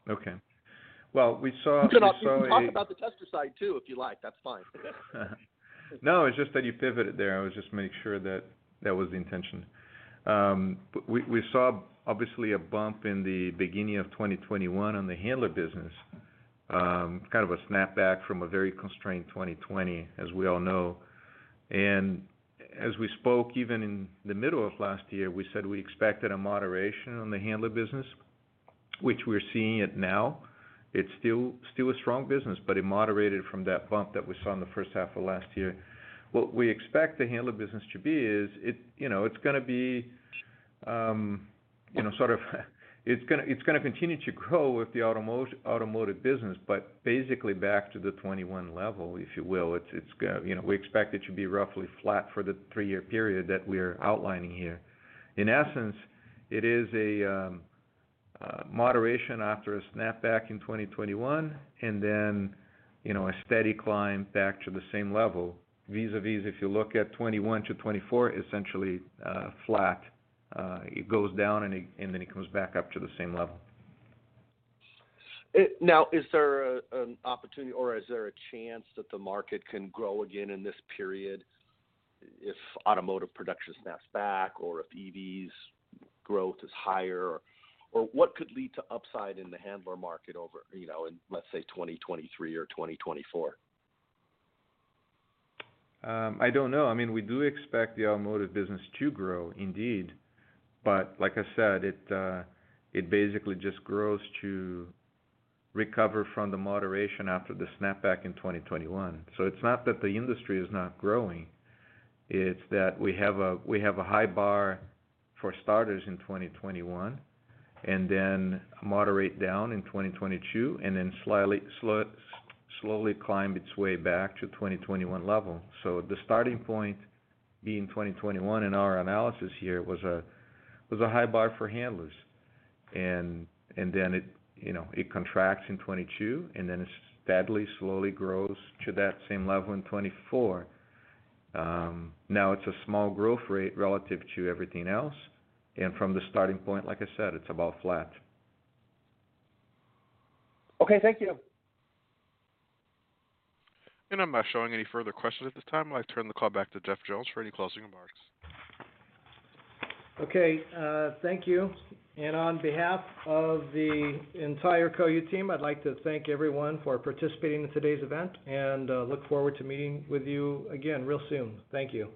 Okay. Well, we saw You can also talk about the tester side too, if you like. That's fine. No, it's just that you pivoted there. I would just make sure that that was the intention. We saw obviously a bump in the beginning of 2021 on the handler business, kind of a snapback from a very constrained 2020, as we all know. As we spoke, even in the middle of last year, we said we expected a moderation on the handler business, which we're seeing it now. It's still a strong business, but it moderated from that bump that we saw in the first half of last year. What we expect the handler business to be is, it, you know, it's gonna be, you know, sort of it's gonna continue to grow with the automotive business, but basically back to the 2021 level, if you will. You know, we expect it to be roughly flat for the three-year period that we're outlining here. In essence, it is a moderation after a snapback in 2021 and then, you know, a steady climb back to the same level. Vis-a-vis, if you look at 2021 to 2024, essentially, flat. It goes down and then it comes back up to the same level. Now, is there an opportunity or is there a chance that the market can grow again in this period if automotive production snaps back or if EV's growth is higher? Or what could lead to upside in the handler market over, you know, in, let's say, 2023 or 2024? I don't know. I mean, we do expect the automotive business to grow indeed. Like I said, it basically just grows to recover from the moderation after the snapback in 2021. It's not that the industry is not growing, it's that we have a high bar for starters in 2021, and then a moderate down in 2022, and then slowly climb its way back to 2021 level. The starting point being 2021 in our analysis here was a high bar for handlers. Then it, you know, it contracts in 2022, and then it steadily, slowly grows to that same level in 2024. Now it's a small growth rate relative to everything else, and from the starting point, like I said, it's about flat. Okay, thank you. I'm not showing any further questions at this time. I'd like to turn the call back to Jeff Jones for any closing remarks. Okay, thank you. On behalf of the entire Cohu team, I'd like to thank everyone for participating in today's event, and look forward to meeting with you again real soon. Thank you.